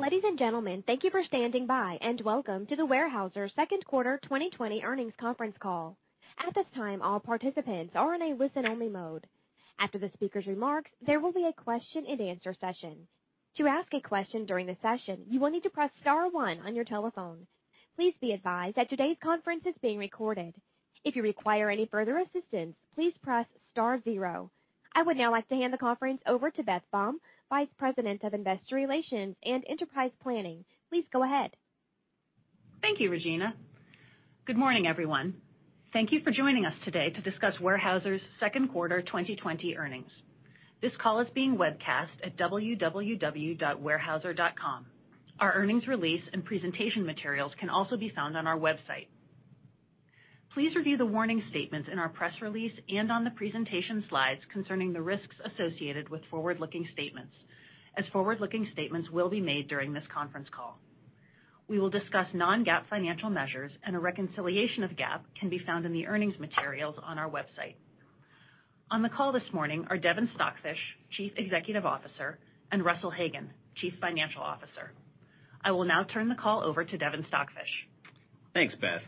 Ladies and gentlemen, thank you for standing by, and welcome to the Weyerhaeuser Second Quarter 2020 Earnings Conference Call. At this time, all participants are in a listen-only mode. After the speaker's remarks, there will be a question-and-answer session. To ask a question during the session, you will need to press star one on your telephone. Please be advised that today's conference is being recorded. If you require any further assistance, please press star zero. I would now like to hand the conference over to Beth Baum, Vice President of Investor Relations and Enterprise Planning. Please go ahead. Thank you, Regina. Good morning, everyone. Thank you for joining us today to discuss Weyerhaeuser's Second Quarter 2020 earnings. This call is being webcast at www.weyerhaeuser.com. Our earnings release and presentation materials can also be found on our website. Please review the warning statements in our press release and on the presentation slides concerning the risks associated with forward-looking statements, as forward-looking statements will be made during this conference call. We will discuss non-GAAP financial measures, and a reconciliation of GAAP can be found in the earnings materials on our website. On the call this morning are Devin Stockfish, Chief Executive Officer, and Russell Hagen, Chief Financial Officer. I will now turn the call over to Devin Stockfish. Thanks, Beth.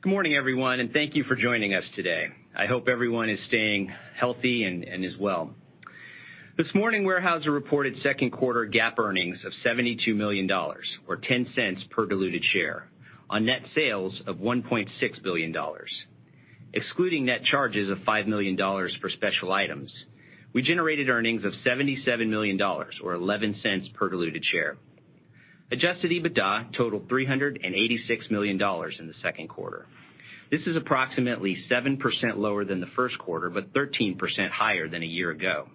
Good morning, everyone, and thank you for joining us today. I hope everyone is staying healthy and as well. This morning, Weyerhaeuser reported second quarter GAAP earnings of $72 million, or 10 cents per diluted share, on net sales of $1.6 billion. Excluding net charges of $5 million for special items, we generated earnings of $77 million, or 11 cents per diluted share. Adjusted EBITDA totaled $386 million in the second quarter. This is approximately 7% lower than the first quarter, but 13% higher than a year ago.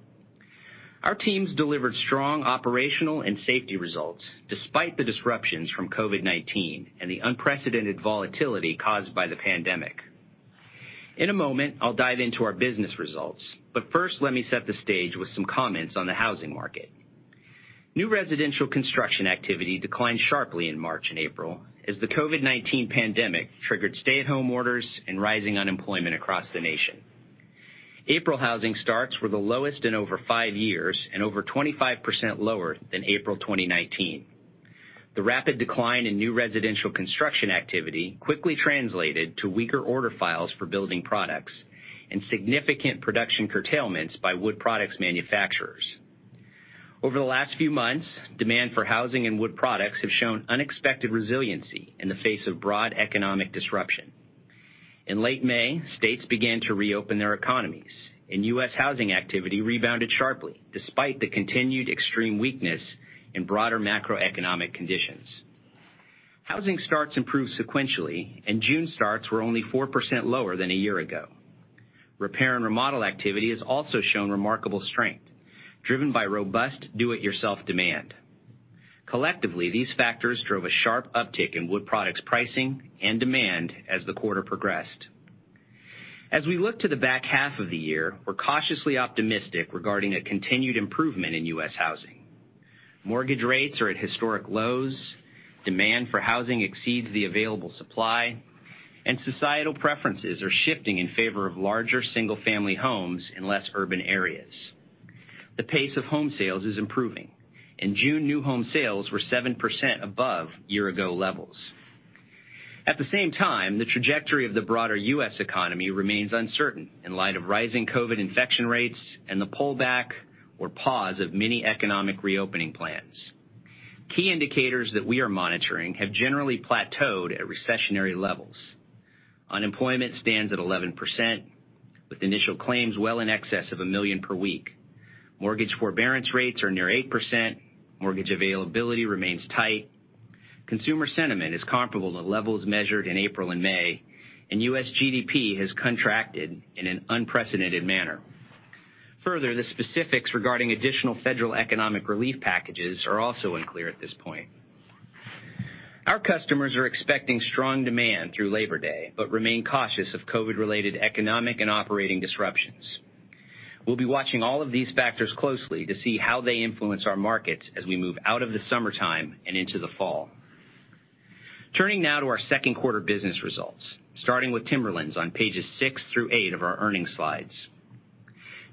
Our teams delivered strong operational and safety results despite the disruptions from COVID-19 and the unprecedented volatility caused by the pandemic. In a moment, I'll dive into our business results, but first, let me set the stage with some comments on the housing market. New residential construction activity declined sharply in March and April, as the COVID-19 pandemic triggered stay-at-home orders and rising unemployment across the nation. April housing starts were the lowest in over five years and over 25% lower than April 2019. The rapid decline in new residential construction activity quickly translated to weaker order files for building products and significant production curtailments by Wood Products manufacturers. Over the last few months, demand for housing and Wood Products has shown unexpected resiliency in the face of broad economic disruption. In late May, states began to reopen their economies, and U.S. housing activity rebounded sharply despite the continued extreme weakness in broader macroeconomic conditions. Housing starts improved sequentially, and June starts were only 4% lower than a year ago. Repair and remodel activity has also shown remarkable strength, driven by robust do-it-yourself demand. Collectively, these factors drove a sharp uptick in Wood Products pricing and demand as the quarter progressed. As we look to the back half of the year, we're cautiously optimistic regarding a continued improvement in U.S. housing. Mortgage rates are at historic lows, demand for housing exceeds the available supply, and societal preferences are shifting in favor of larger single-family homes in less urban areas. The pace of home sales is improving, and June new home sales were 7% above year-ago levels. At the same time, the trajectory of the broader U.S. economy remains uncertain in light of rising COVID infection rates and the pullback or pause of many economic reopening plans. Key indicators that we are monitoring have generally plateaued at recessionary levels. Unemployment stands at 11%, with initial claims well in excess of a million per week. Mortgage forbearance rates are near 8%. Mortgage availability remains tight. Consumer sentiment is comparable to levels measured in April and May, and U.S. GDP has contracted in an unprecedented manner. Further, the specifics regarding additional federal economic relief packages are also unclear at this point. Our customers are expecting strong demand through Labor Day, but remain cautious of COVID-related economic and operating disruptions. We'll be watching all of these factors closely to see how they influence our markets as we move out of the summertime and into the fall. Turning now to our second quarter business results, starting with Timberlands on pages six through eight of our earnings slides.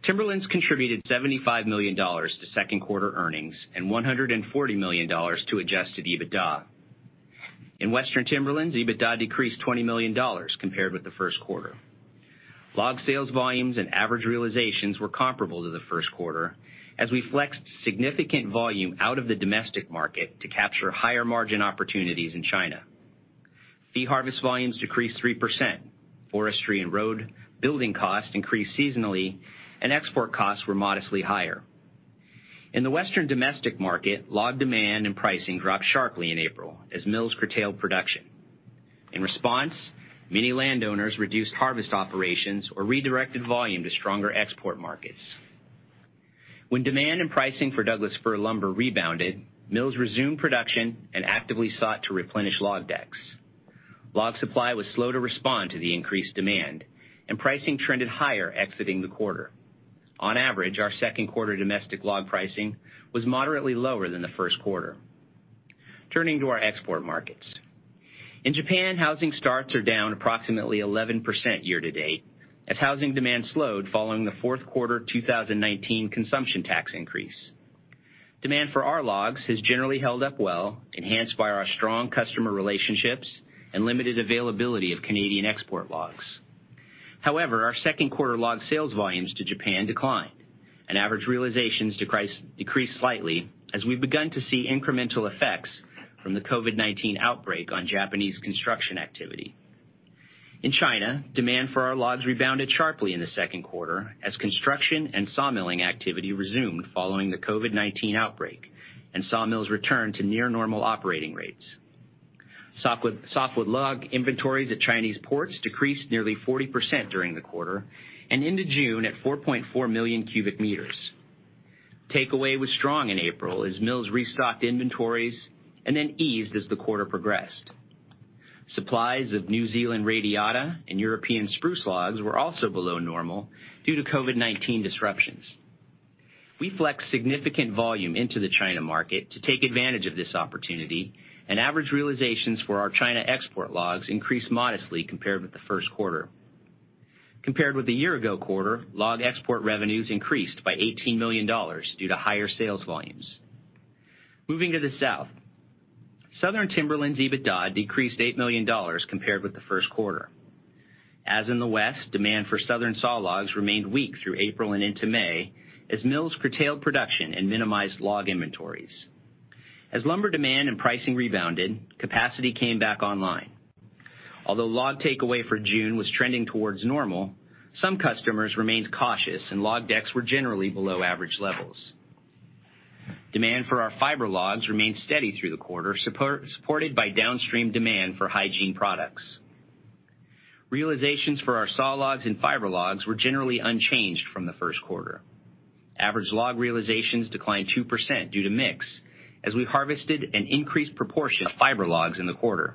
Timberlands contributed $75 million to second quarter earnings and $140 million to adjusted EBITDA. In Western Timberlands, EBITDA decreased $20 million compared with the first quarter. Log sales volumes and average realizations were comparable to the first quarter as we flexed significant volume out of the domestic market to capture higher margin opportunities in China. Fee harvest volumes decreased 3%. Forestry and road building costs increased seasonally, and export costs were modestly higher. In the Western domestic market, log demand and pricing dropped sharply in April as mills curtailed production. In response, many landowners reduced harvest operations or redirected volume to stronger export markets. When demand and pricing for Douglas fir lumber rebounded, mills resumed production and actively sought to replenish log decks. Log supply was slow to respond to the increased demand, and pricing trended higher exiting the quarter. On average, our second quarter domestic log pricing was moderately lower than the first quarter. Turning to our export markets. In Japan, housing starts are down approximately 11% year-to-date as housing demand slowed following the Q4 2019 consumption tax increase. Demand for our logs has generally held up well, enhanced by our strong customer relationships and limited availability of Canadian export logs. However, our second quarter log sales volumes to Japan declined, and average realizations decreased slightly as we've begun to see incremental effects from the COVID-19 outbreak on Japanese construction activity. In China, demand for our logs rebounded sharply in the second quarter as construction and sawmilling activity resumed following the COVID-19 outbreak and sawmills returned to near-normal operating rates. Softwood log inventories at Chinese ports decreased nearly 40% during the quarter and into June at 4.4 million cubic meters. Takeaway was strong in April as mills restocked inventories and then eased as the quarter progressed. Supplies of New Zealand Radiata and European spruce logs were also below normal due to COVID-19 disruptions. We flexed significant volume into the China market to take advantage of this opportunity, and average realizations for our China export logs increased modestly compared with the first quarter. Compared with the year-ago quarter, log export revenues increased by $18 million due to higher sales volumes. Moving to the South, Southern Timberlands EBITDA decreased $8 million compared with the first quarter. As in the West, demand for Southern saw logs remained weak through April and into May as mills curtailed production and minimized log inventories. As lumber demand and pricing rebounded, capacity came back online. Although log takeaway for June was trending towards normal, some customers remained cautious, and log decks were generally below average levels. Demand for our fiber logs remained steady through the quarter, supported by downstream demand for hygiene products. Realizations for our saw logs and fiber logs were generally unchanged from the first quarter. Average log realizations declined 2% due to mix as we harvested an increased proportion of fiber logs in the quarter.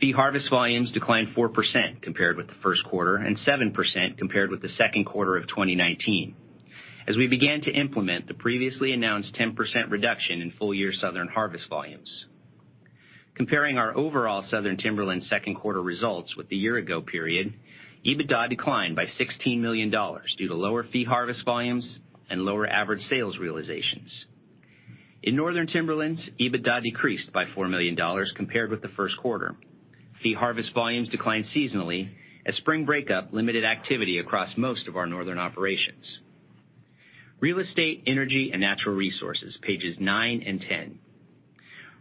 Fee harvest volumes declined 4% compared with the first quarter and 7% compared with the second quarter of 2019 as we began to implement the previously announced 10% reduction in full-year Southern harvest volumes. Comparing our overall Southern Timberlands second quarter results with the year-ago period, EBITDA declined by $16 million due to lower fee harvest volumes and lower average sales realizations. In Northern Timberlands, EBITDA decreased by $4 million compared with the first quarter. Fee harvest volumes declined seasonally as spring breakup limited activity across most of our Northern operations. Real Estate, Energy and Natural Resources, pages nine and 10.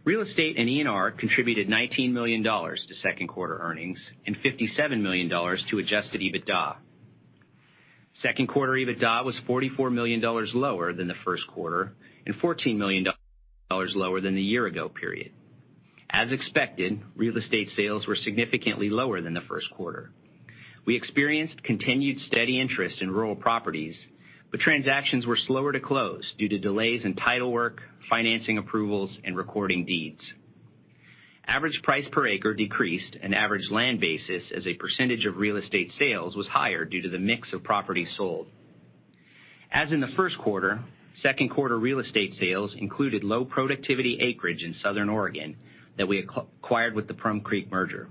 Real Estate and ENR contributed $19 million to second quarter earnings and $57 million to adjusted EBITDA. Second quarter EBITDA was $44 million lower than the first quarter and $14 million lower than the year-ago period. As expected, Real Estate sales were significantly lower than the first quarter. We experienced continued steady interest in rural properties, but transactions were slower to close due to delays in title work, financing approvals, and recording deeds. Average price per acre decreased and average land basis as a percentage of Real Estate sales was higher due to the mix of properties sold. As in the first quarter, second quarter Real Estate sales included low productivity acreage in Southern Oregon that we acquired with the Plum Creek merger.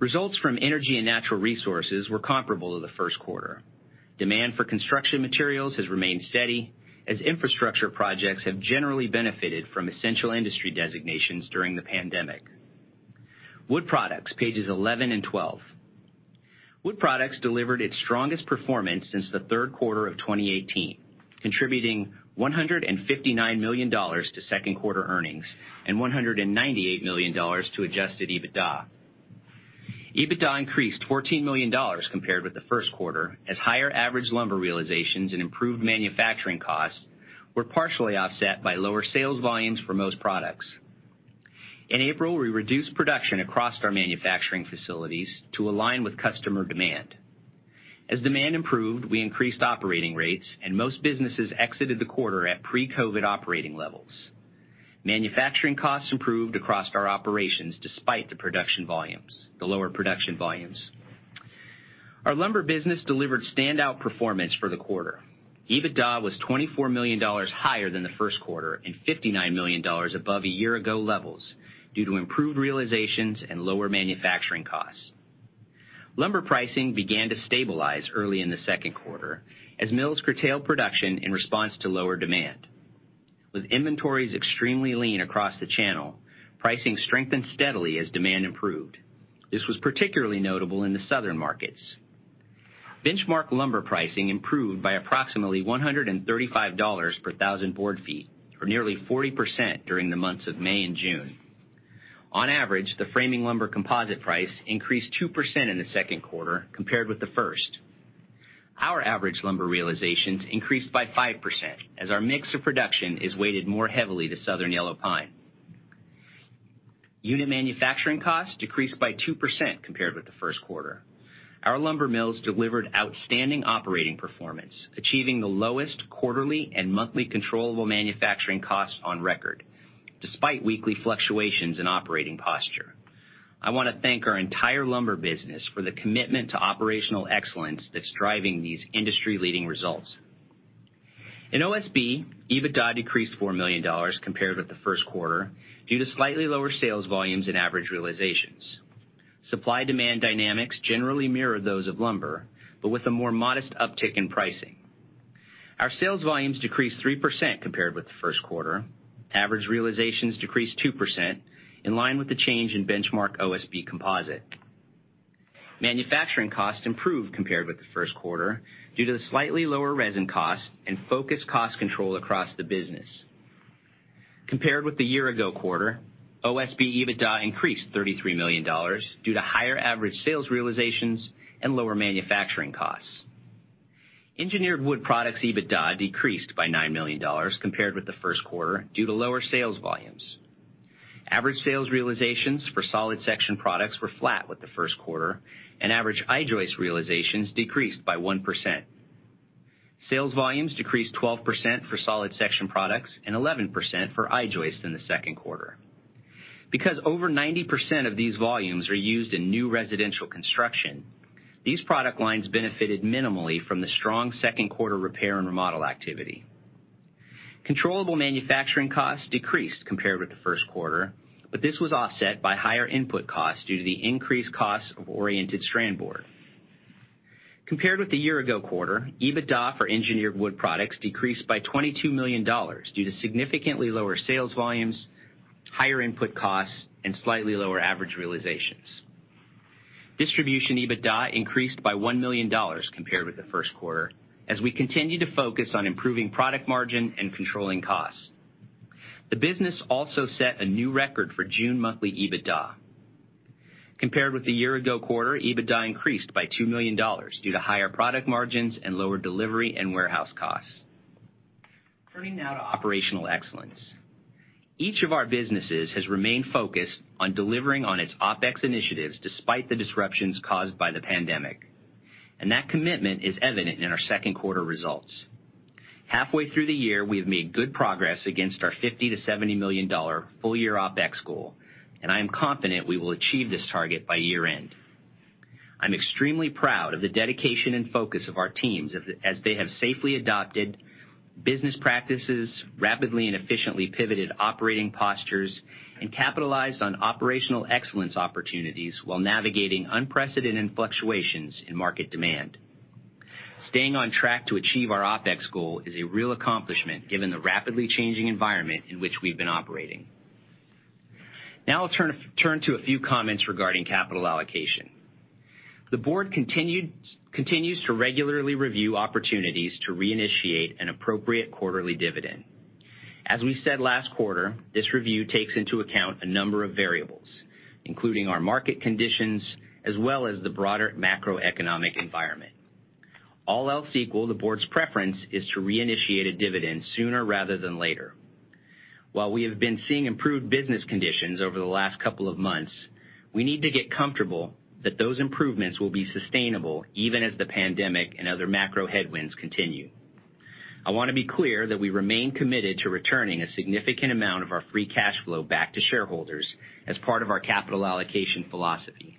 Results from Energy and Natural Resources were comparable to the first quarter. Demand for construction materials has remained steady as infrastructure projects have generally benefited from essential industry designations during the pandemic. Wood Products, pages 11 and 12. Wood Products delivered its strongest performance since the third quarter of 2018, contributing $159 million to second quarter earnings and $198 million to adjusted EBITDA. EBITDA increased $14 million compared with the first quarter as higher average lumber realizations and improved manufacturing costs were partially offset by lower sales volumes for most products. In April, we reduced production across our manufacturing facilities to align with customer demand. As demand improved, we increased operating rates, and most businesses exited the quarter at pre-COVID operating levels. Manufacturing costs improved across our operations despite the lower production volumes. Our lumber business delivered standout performance for the quarter. EBITDA was $24 million higher than the first quarter and $59 million above a year-ago levels due to improved realizations and lower manufacturing costs. Lumber pricing began to stabilize early in the second quarter as mills curtailed production in response to lower demand. With inventories extremely lean across the channel, pricing strengthened steadily as demand improved. This was particularly notable in the Southern markets. Benchmark lumber pricing improved by approximately $135 per thousand board feet or nearly 40% during the months of May and June. On average, the framing lumber composite price increased 2% in the second quarter compared with the first. Our average lumber realizations increased by 5% as our mix of production is weighted more heavily to Southern Yellow Pine. Unit manufacturing costs decreased by 2% compared with the first quarter. Our lumber mills delivered outstanding operating performance, achieving the lowest quarterly and monthly controllable manufacturing costs on record despite weekly fluctuations in operating posture. I want to thank our entire lumber business for the commitment to Operational Excellence that's driving these industry-leading results. In OSB, EBITDA decreased $4 million compared with the first quarter due to slightly lower sales volumes and average realizations. Supply-demand dynamics generally mirror those of lumber, but with a more modest uptick in pricing. Our sales volumes decreased 3% compared with the first quarter. Average realizations decreased 2% in line with the change in benchmark OSB composite. Manufacturing costs improved compared with the first quarter due to the slightly lower resin costs and focused cost control across the business. Compared with the year-ago quarter, OSB EBITDA increased $33 million due to higher average sales realizations and lower manufacturing costs. Engineered Wood Products EBITDA decreased by $9 million compared with the first quarter due to lower sales volumes. Average sales realizations for solid section products were flat with the first quarter, and average I-joist realizations decreased by 1%. Sales volumes decreased 12% for solid section products and 11% for I-joist in the second quarter. Because over 90% of these volumes are used in new residential construction, these product lines benefited minimally from the strong second quarter repair and remodel activity. Controllable manufacturing costs decreased compared with the first quarter, but this was offset by higher input costs due to the increased cost of oriented strand board. Compared with the year-ago quarter, EBITDA for engineered Wood Products decreased by $22 million due to significantly lower sales volumes, higher input costs, and slightly lower average realizations. Distribution EBITDA increased by $1 million compared with the first quarter as we continue to focus on improving product margin and controlling costs. The business also set a new record for June monthly EBITDA. Compared with the year-ago quarter, EBITDA increased by $2 million due to higher product margins and lower delivery and warehouse costs. Turning now to operational excellence. Each of our businesses has remained focused on delivering on its OpEx initiatives despite the disruptions caused by the pandemic, and that commitment is evident in our second quarter results. Halfway through the year, we have made good progress against our $50-$70 million full-year OpEx goal, and I am confident we will achieve this target by year-end. I'm extremely proud of the dedication and focus of our teams as they have safely adopted business practices, rapidly and efficiently pivoted operating postures, and capitalized on operational excellence opportunities while navigating unprecedented fluctuations in market demand. Staying on track to achieve our OpEx goal is a real accomplishment given the rapidly changing environment in which we've been operating. Now I'll turn to a few comments regarding capital allocation. The board continues to regularly review opportunities to reinitiate an appropriate quarterly dividend. As we said last quarter, this review takes into account a number of variables, including our market conditions as well as the broader macroeconomic environment. All else equal, the board's preference is to reinitiate a dividend sooner rather than later. While we have been seeing improved business conditions over the last couple of months, we need to get comfortable that those improvements will be sustainable even as the pandemic and other macro headwinds continue. I want to be clear that we remain committed to returning a significant amount of our free cash flow back to shareholders as part of our capital allocation philosophy.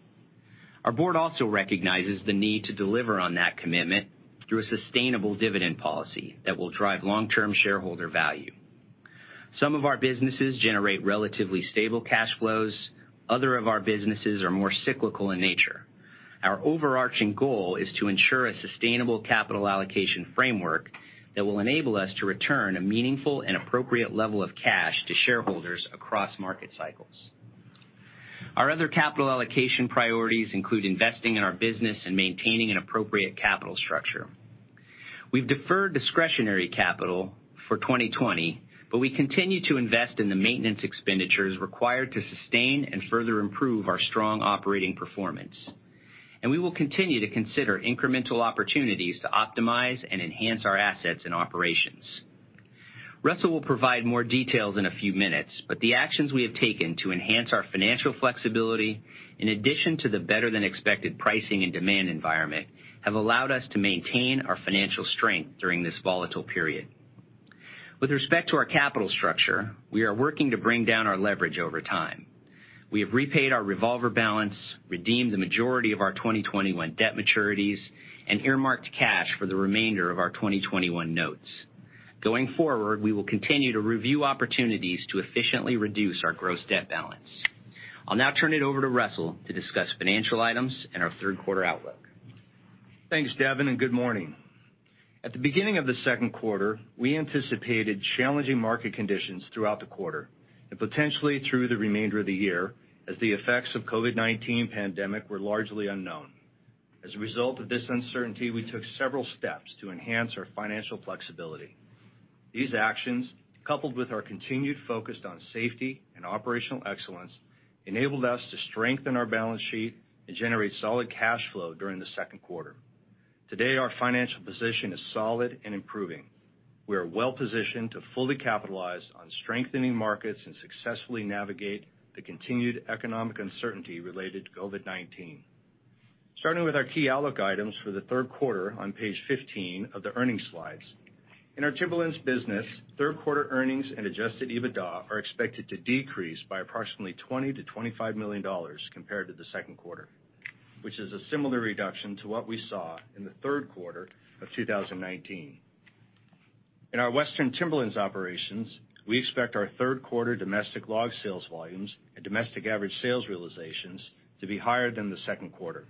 Our board also recognizes the need to deliver on that commitment through a sustainable dividend policy that will drive long-term shareholder value. Some of our businesses generate relatively stable cash flows. Other of our businesses are more cyclical in nature. Our overarching goal is to ensure a sustainable capital allocation framework that will enable us to return a meaningful and appropriate level of cash to shareholders across market cycles. Our other capital allocation priorities include investing in our business and maintaining an appropriate capital structure. We've deferred discretionary capital for 2020, but we continue to invest in the maintenance expenditures required to sustain and further improve our strong operating performance, and we will continue to consider incremental opportunities to optimize and enhance our assets and operations. Russell will provide more details in a few minutes, but the actions we have taken to enhance our financial flexibility, in addition to the better-than-expected pricing and demand environment, have allowed us to maintain our financial strength during this volatile period. With respect to our capital structure, we are working to bring down our leverage over time. We have repaid our revolver balance, redeemed the majority of our 2021 debt maturities, and earmarked cash for the remainder of our 2021 notes. Going forward, we will continue to review opportunities to efficiently reduce our gross debt balance. I'll now turn it over to Russell to discuss financial items and our third quarter outlook. Thanks, Devin, and good morning. At the beginning of the second quarter, we anticipated challenging market conditions throughout the quarter and potentially through the remainder of the year as the effects of the COVID-19 pandemic were largely unknown. As a result of this uncertainty, we took several steps to enhance our financial flexibility. These actions, coupled with our continued focus on safety and operational excellence, enabled us to strengthen our balance sheet and generate solid cash flow during the second quarter. Today, our financial position is solid and improving. We are well-positioned to fully capitalize on strengthening markets and successfully navigate the continued economic uncertainty related to COVID-19. Starting with our key outlook items for the third quarter on page 15 of the earnings slides. In our Timberlands business, third quarter earnings and Adjusted EBITDA are expected to decrease by approximately $20 million-$25 million compared to the second quarter, which is a similar reduction to what we saw in the third quarter of 2019. In our Western Timberlands operations, we expect our third quarter domestic log sales volumes and domestic average sales realizations to be higher than the second quarter.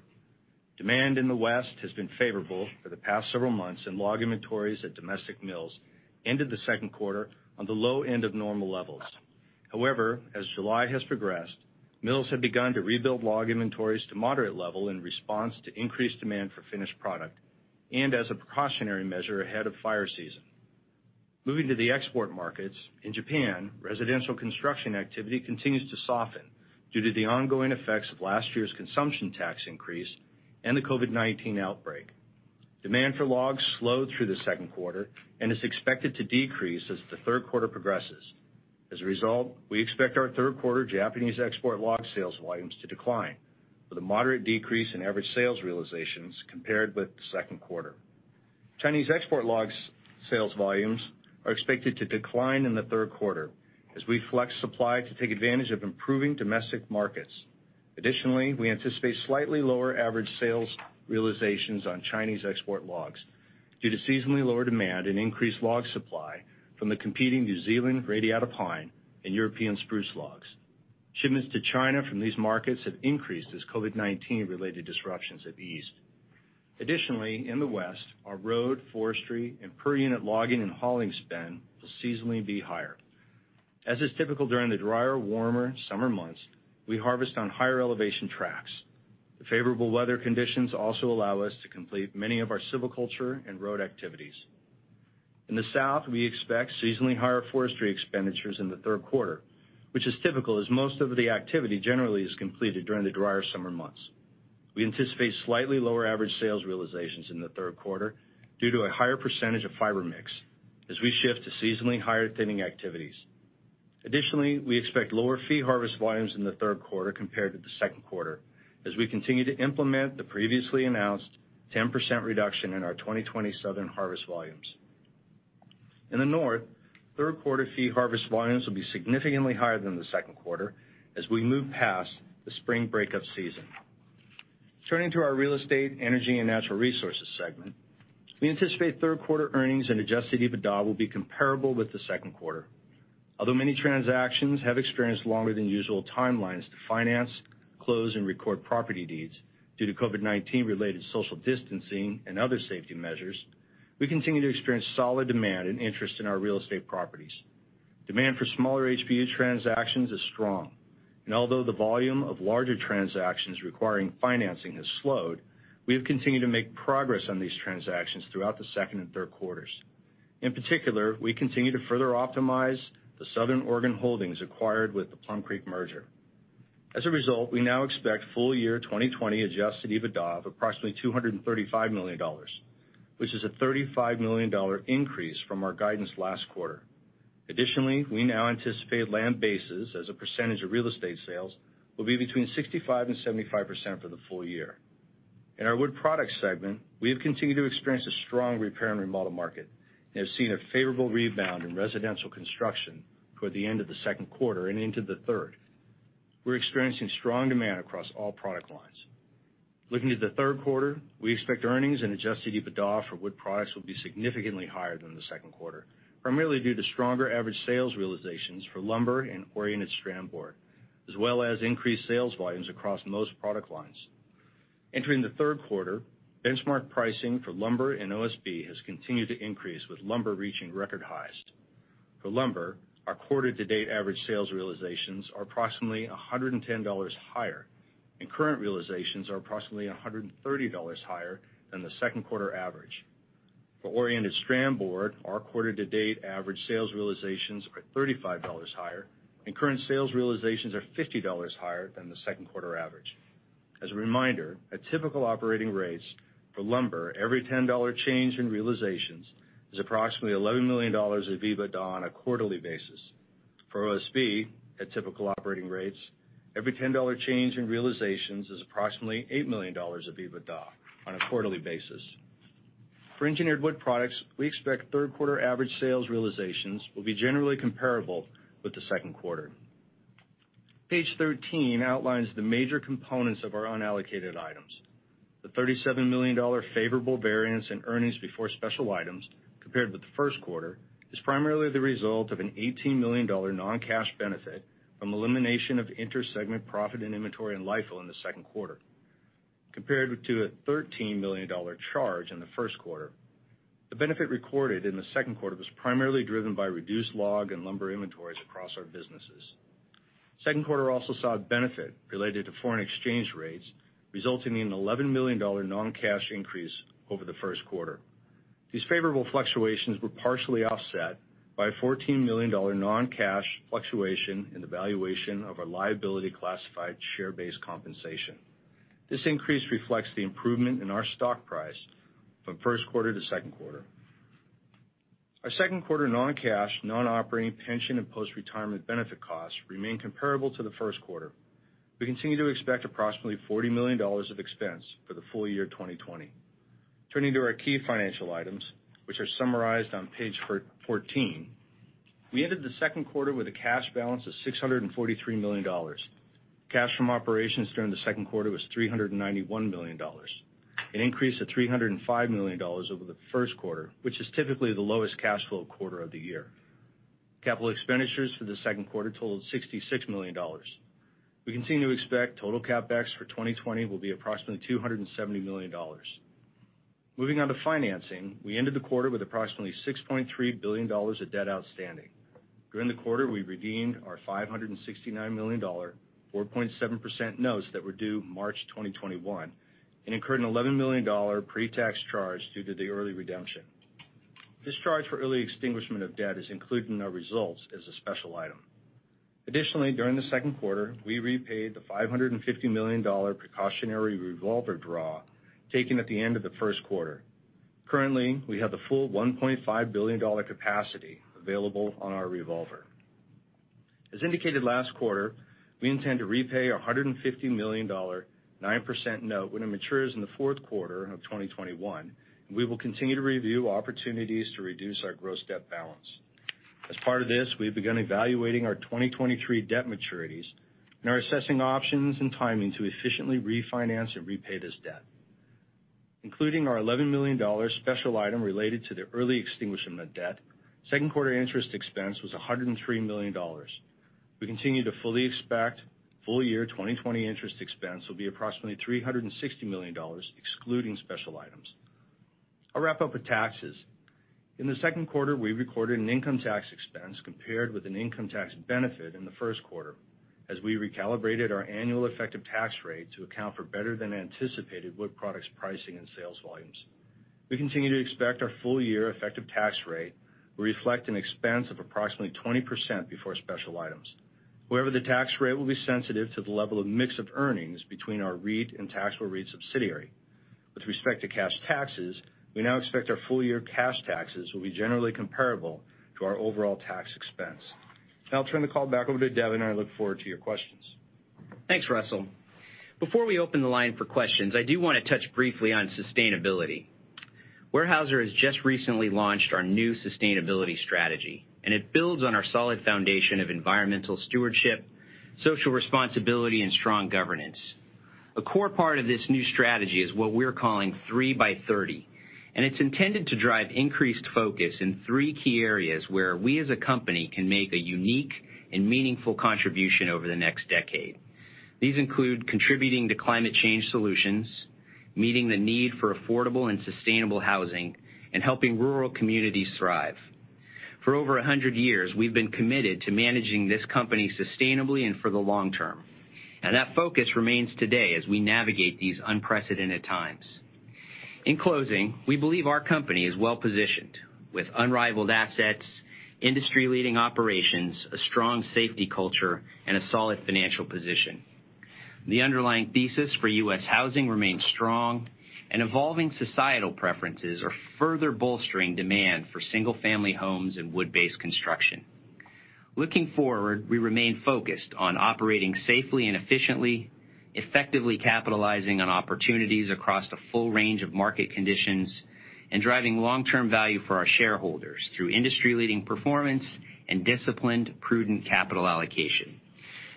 Demand in the West has been favorable for the past several months, and log inventories at domestic mills ended the second quarter on the low end of normal levels. However, as July has progressed, mills have begun to rebuild log inventories to moderate level in response to increased demand for finished product and as a precautionary measure ahead of fire season. Moving to the export markets, in Japan, residential construction activity continues to soften due to the ongoing effects of last year's consumption tax increase and the COVID-19 outbreak. Demand for logs slowed through the second quarter and is expected to decrease as the third quarter progresses. As a result, we expect our third quarter Japanese export log sales volumes to decline with a moderate decrease in average sales realizations compared with the second quarter. Chinese export log sales volumes are expected to decline in the third quarter as we flex supply to take advantage of improving domestic markets. Additionally, we anticipate slightly lower average sales realizations on Chinese export logs due to seasonally lower demand and increased log supply from the competing New Zealand Radiata pine and European spruce logs. Shipments to China from these markets have increased as COVID-19-related disruptions have eased. Additionally, in the West, our road, forestry, and per-unit logging and hauling spend will seasonally be higher. As is typical during the drier, warmer summer months, we harvest on higher elevation tracts. The favorable weather conditions also allow us to complete many of our silviculture and road activities. In the South, we expect seasonally higher forestry expenditures in the third quarter, which is typical as most of the activity generally is completed during the drier summer months. We anticipate slightly lower average sales realizations in the third quarter due to a higher percentage of fiber mix as we shift to seasonally higher thinning activities. Additionally, we expect lower fee harvest volumes in the third quarter compared to the second quarter as we continue to implement the previously announced 10% reduction in our 2020 Southern harvest volumes. In the North, third quarter fee harvest volumes will be significantly higher than the second quarter as we move past the spring breakup season. Turning to our Real Estate, Energy and Natural Resources segment, we anticipate third quarter earnings and Adjusted EBITDA will be comparable with the second quarter. Although many transactions have experienced longer-than-usual timelines to finance, close, and record property deeds due to COVID-19-related social distancing and other safety measures, we continue to experience solid demand and interest in our Real Estate properties. Demand for smaller HBU transactions is strong, and although the volume of larger transactions requiring financing has slowed, we have continued to make progress on these transactions throughout the second and third quarters. In particular, we continue to further optimize the Southern Oregon holdings acquired with the Plum Creek merger. As a result, we now expect full-year 2020 Adjusted EBITDA of approximately $235 million, which is a $35 million increase from our guidance last quarter. Additionally, we now anticipate land bases as a percentage of Real Estate sales will be between 65% and 75% for the full year. In our Wood Products segment, we have continued to experience a strong repair and remodel market and have seen a favorable rebound in residential construction toward the end of the second quarter and into the third. We're experiencing strong demand across all product lines. Looking to the third quarter, we expect earnings and Adjusted EBITDA for Wood Products will be significantly higher than the second quarter, primarily due to stronger average sales realizations for lumber and oriented strand board, as well as increased sales volumes across most product lines. Entering the third quarter, benchmark pricing for lumber and OSB has continued to increase, with lumber reaching record highs. For lumber, our quarter-to-date average sales realizations are approximately $110 higher, and current realizations are approximately $130 higher than the second quarter average. For oriented strand board, our quarter-to-date average sales realizations are $35 higher, and current sales realizations are $50 higher than the second quarter average. As a reminder, at typical operating rates, for lumber, every $10 change in realizations is approximately $11 million of EBITDA on a quarterly basis. For OSB, at typical operating rates, every $10 change in realizations is approximately $8 million of EBITDA on a quarterly basis. For engineered Wood Products, we expect third quarter average sales realizations will be generally comparable with the second quarter. Page 13 outlines the major components of our unallocated items. The $37 million favorable variance in earnings before special items compared with the first quarter is primarily the result of an $18 million non-cash benefit from elimination of intersegment profit and inventory in LIFO in the second quarter, compared to a $13 million charge in the first quarter. The benefit recorded in the second quarter was primarily driven by reduced log and lumber inventories across our businesses. Second quarter also saw a benefit related to foreign exchange rates, resulting in an $11 million non-cash increase over the first quarter. These favorable fluctuations were partially offset by a $14 million non-cash fluctuation in the valuation of our liability classified share-based compensation. This increase reflects the improvement in our stock price from first quarter to second quarter. Our second quarter non-cash non-operating pension and post-retirement benefit costs remain comparable to the first quarter. We continue to expect approximately $40 million of expense for the full year 2020. Turning to our key financial items, which are summarized on page 14, we ended the second quarter with a cash balance of $643 million. Cash from operations during the second quarter was $391 million, an increase of $305 million over the first quarter, which is typically the lowest cash flow quarter of the year. Capital expenditures for the second quarter totaled $66 million. We continue to expect total CapEx for 2020 will be approximately $270 million. Moving on to financing, we ended the quarter with approximately $6.3 billion of debt outstanding. During the quarter, we redeemed our $569 million, 4.7% notes that were due March 2021, and incurred an $11 million pre-tax charge due to the early redemption. This charge for early extinguishment of debt is included in our results as a special item. Additionally, during the second quarter, we repaid the $550 million precautionary revolver draw taken at the end of the first quarter. Currently, we have the full $1.5 billion capacity available on our revolver. As indicated last quarter, we intend to repay our $150 million, 9% note when it matures in the Q4 of 2021, and we will continue to review opportunities to reduce our gross debt balance. As part of this, we've begun evaluating our 2023 debt maturities and are assessing options and timing to efficiently refinance and repay this debt. Including our $11 million special item related to the early extinguishment of debt, second quarter interest expense was $103 million. We continue to fully expect full-year 2020 interest expense will be approximately $360 million, excluding special items. I'll wrap up with taxes. In the second quarter, we recorded an income tax expense compared with an income tax benefit in the first quarter as we recalibrated our annual effective tax rate to account for better-than-anticipated Wood Products pricing and sales volumes. We continue to expect our full-year effective tax rate will reflect an expense of approximately 20% before special items. However, the tax rate will be sensitive to the level of mix of earnings between our REIT and taxable REIT subsidiary. With respect to cash taxes, we now expect our full-year cash taxes will be generally comparable to our overall tax expense. Now I'll turn the call back over to Devin, and I look forward to your questions. Thanks, Russell. Before we open the line for questions, I do want to touch briefly on sustainability. Weyerhaeuser has just recently launched our new sustainability strategy, and it builds on our solid foundation of environmental stewardship, social responsibility, and strong governance. A core part of this new strategy is what we're calling 3 by 30, and it's intended to drive increased focus in three key areas where we as a company can make a unique and meaningful contribution over the next decade. These include contributing to climate change solutions, meeting the need for affordable and sustainable housing, and helping rural communities thrive. For over 100 years, we've been committed to managing this company sustainably and for the long term, and that focus remains today as we navigate these unprecedented times. In closing, we believe our company is well-positioned with unrivaled assets, industry-leading operations, a strong safety culture, and a solid financial position. The underlying thesis for U.S. Housing remains strong, and evolving societal preferences are further bolstering demand for single-family homes and wood-based construction. Looking forward, we remain focused on operating safely and efficiently, effectively capitalizing on opportunities across a full range of market conditions, and driving long-term value for our shareholders through industry-leading performance and disciplined, prudent capital allocation.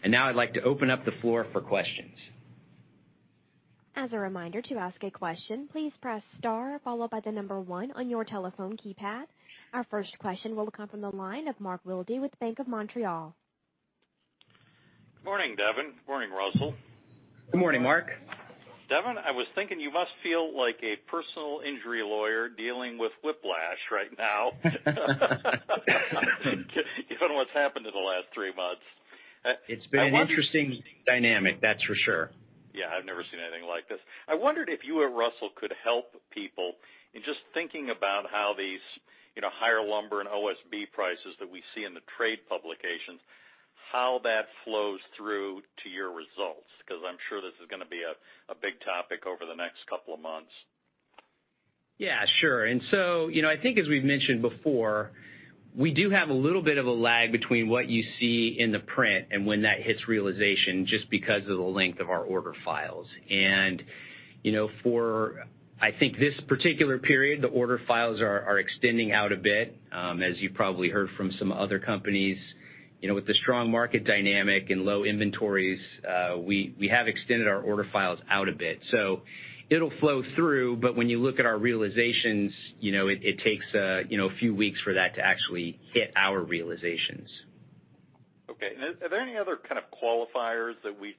And now I'd like to open up the floor for questions. As a reminder to ask a question, please press star followed by the number one on your telephone keypad. Our first question will come from the line of Mark Wilde with Bank of Montreal. Good morning, Devin. Good morning, Russell. Good morning, Mark. Devin, I was thinking you must feel like a personal injury lawyer dealing with whiplash right now given what's happened in the last three months. It's been an interesting dynamic, that's for sure. Yeah, I've never seen anything like this. I wondered if you or Russell could help people in just thinking about how these higher lumber and OSB prices that we see in the trade publications, how that flows through to your results because I'm sure this is going to be a big topic over the next couple of months? Yeah, sure, and so I think, as we've mentioned before, we do have a little bit of a lag between what you see in the print and when that hits realization just because of the length of our order files, and for, I think, this particular period, the order files are extending out a bit. As you probably heard from some other companies, with the strong market dynamic and low inventories, we have extended our order files out a bit. So it'll flow through, but when you look at our realizations, it takes a few weeks for that to actually hit our realizations. Okay. And are there any other kind of qualifiers that we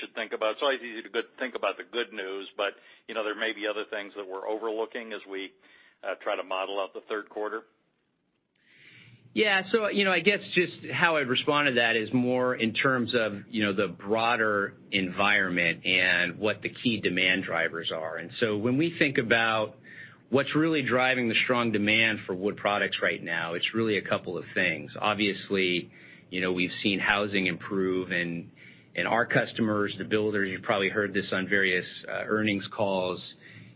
should think about? It's always easy to think about the good news, but there may be other things that we're overlooking as we try to model out the third quarter. Yeah. I guess just how I'd respond to that is more in terms of the broader environment and what the key demand drivers are. And so when we think about what's really driving the strong demand for Wood Products right now, it's really a couple of things. Obviously, we've seen housing improve, and our customers, the builders, you've probably heard this on various earnings calls,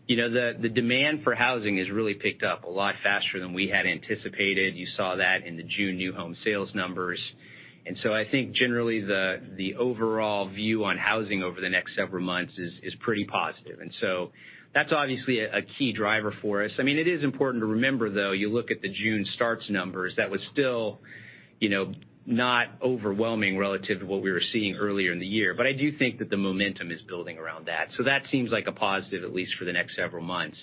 the demand for housing has really picked up a lot faster than we had anticipated. You saw that in the June new home sales numbers. And so I think, generally, the overall view on housing over the next several months is pretty positive. And so that's obviously a key driver for us. I mean, it is important to remember, though, you look at the June starts numbers, that was still not overwhelming relative to what we were seeing earlier in the year. But I do think that the momentum is building around that. So that seems like a positive, at least for the next several months.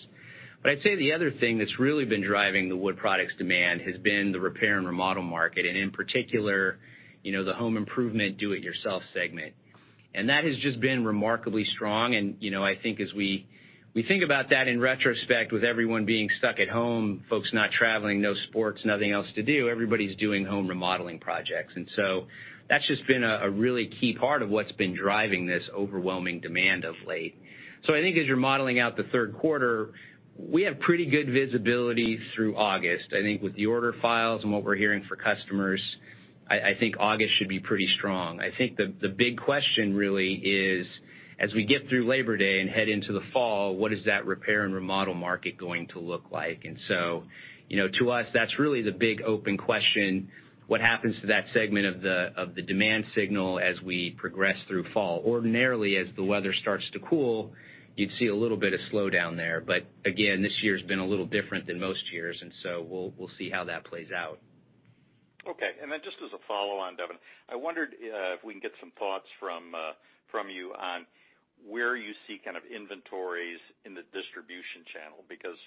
But I'd say the other thing that's really been driving the Wood Products demand has been the repair and remodel market, and in particular, the home improvement do-it-yourself segment. And that has just been remarkably strong. I think as we think about that in retrospect, with everyone being stuck at home, folks not traveling, no sports, nothing else to do, everybody's doing home remodeling projects. That's just been a really key part of what's been driving this overwhelming demand of late. I think as you're modeling out the third quarter, we have pretty good visibility through August. I think with the order files and what we're hearing from customers, I think August should be pretty strong. I think the big question really is, as we get through Labor Day and head into the fall, what is that repair and remodel market going to look like? To us, that's really the big open question: what happens to that segment of the demand signal as we progress through fall? Ordinarily, as the weather starts to cool, you'd see a little bit of slowdown there. But again, this year has been a little different than most years, and so we'll see how that plays out. Okay. And then just as a follow-on, Devin, I wondered if we can get some thoughts from you on where you see kind of inventories in the distribution channel because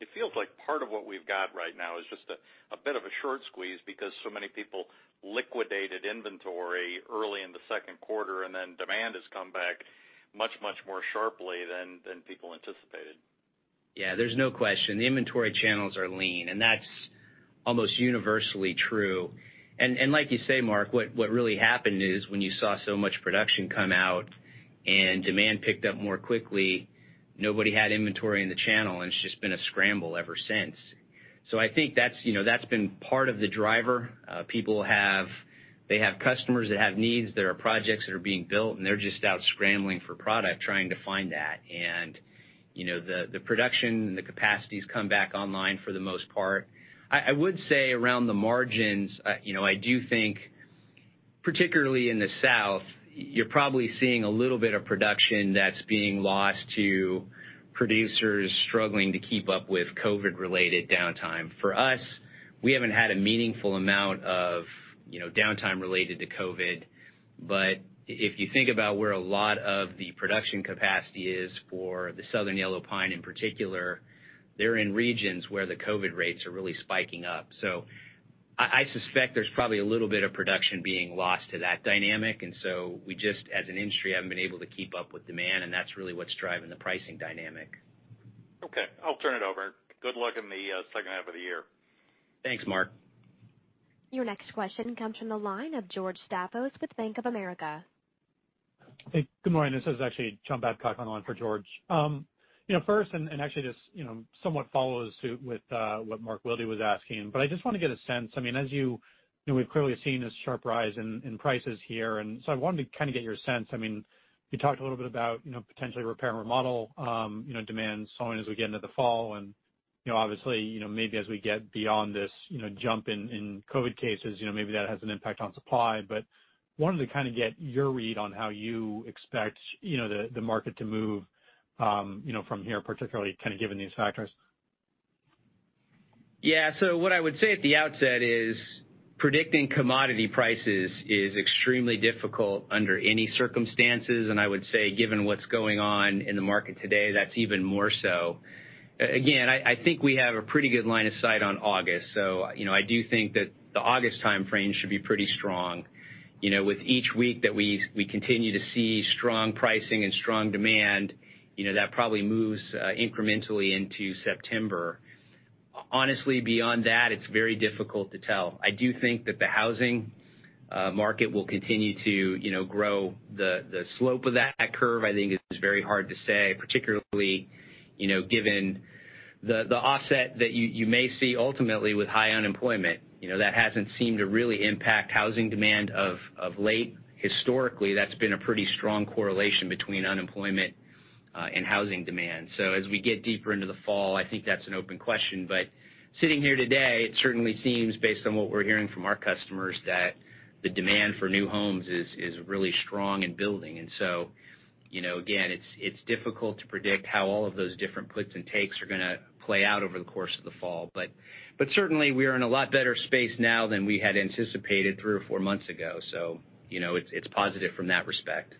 it feels like part of what we've got right now is just a bit of a short squeeze because so many people liquidated inventory early in the second quarter, and then demand has come back much, much more sharply than people anticipated. Yeah, there's no question. The inventory channels are lean, and that's almost universally true. And like you say, Mark, what really happened is when you saw so much production come out and demand picked up more quickly, nobody had inventory in the channel, and it's just been a scramble ever since. So I think that's been part of the driver. People have customers that have needs. There are projects that are being built, and they're just out scrambling for product, trying to find that. And the production and the capacities come back online for the most part. I would say around the margins, I do think, particularly in the South, you're probably seeing a little bit of production that's being lost to producers struggling to keep up with COVID-related downtime. For us, we haven't had a meaningful amount of downtime related to COVID. But if you think about where a lot of the production capacity is for the Southern Yellow Pine in particular, they're in regions where the COVID rates are really spiking up. So I suspect there's probably a little bit of production being lost to that dynamic. And so we just, as an industry, haven't been able to keep up with demand, and that's really what's driving the pricing dynamic. Okay. I'll turn it over. Good luck in the second half of the year. Thanks, Mark. Your next question comes from the line of George Staphos with Bank of America. Hey, good morning. This is actually John Babcock on the line for George. First, and actually this somewhat follows with what Mark Wilde was asking, but I just want to get a sense. I mean, as you know, we've clearly seen this sharp rise in prices here, and so I wanted to kind of get your sense. I mean, you talked a little bit about potentially repair and remodel demand slowing as we get into the fall, and obviously, maybe as we get beyond this jump in COVID cases, maybe that has an impact on supply. But I wanted to kind of get your read on how you expect the market to move from here, particularly kind of given these factors. Yeah. So what I would say at the outset is predicting commodity prices is extremely difficult under any circumstances, and I would say, given what's going on in the market today, that's even more so. Again, I think we have a pretty good line of sight on August, so I do think that the August timeframe should be pretty strong. With each week that we continue to see strong pricing and strong demand, that probably moves incrementally into September. Honestly, beyond that, it's very difficult to tell. I do think that the housing market will continue to grow. The slope of that curve, I think, is very hard to say, particularly given the offset that you may see ultimately with high unemployment. That hasn't seemed to really impact housing demand of late. Historically, that's been a pretty strong correlation between unemployment and housing demand. So as we get deeper into the fall, I think that's an open question. But sitting here today, it certainly seems, based on what we're hearing from our customers, that the demand for new homes is really strong and building. And so again, it's difficult to predict how all of those different puts and takes are going to play out over the course of the fall. but certainly, we are in a lot better space now than we had anticipated three or four months ago, so it's positive from that respect.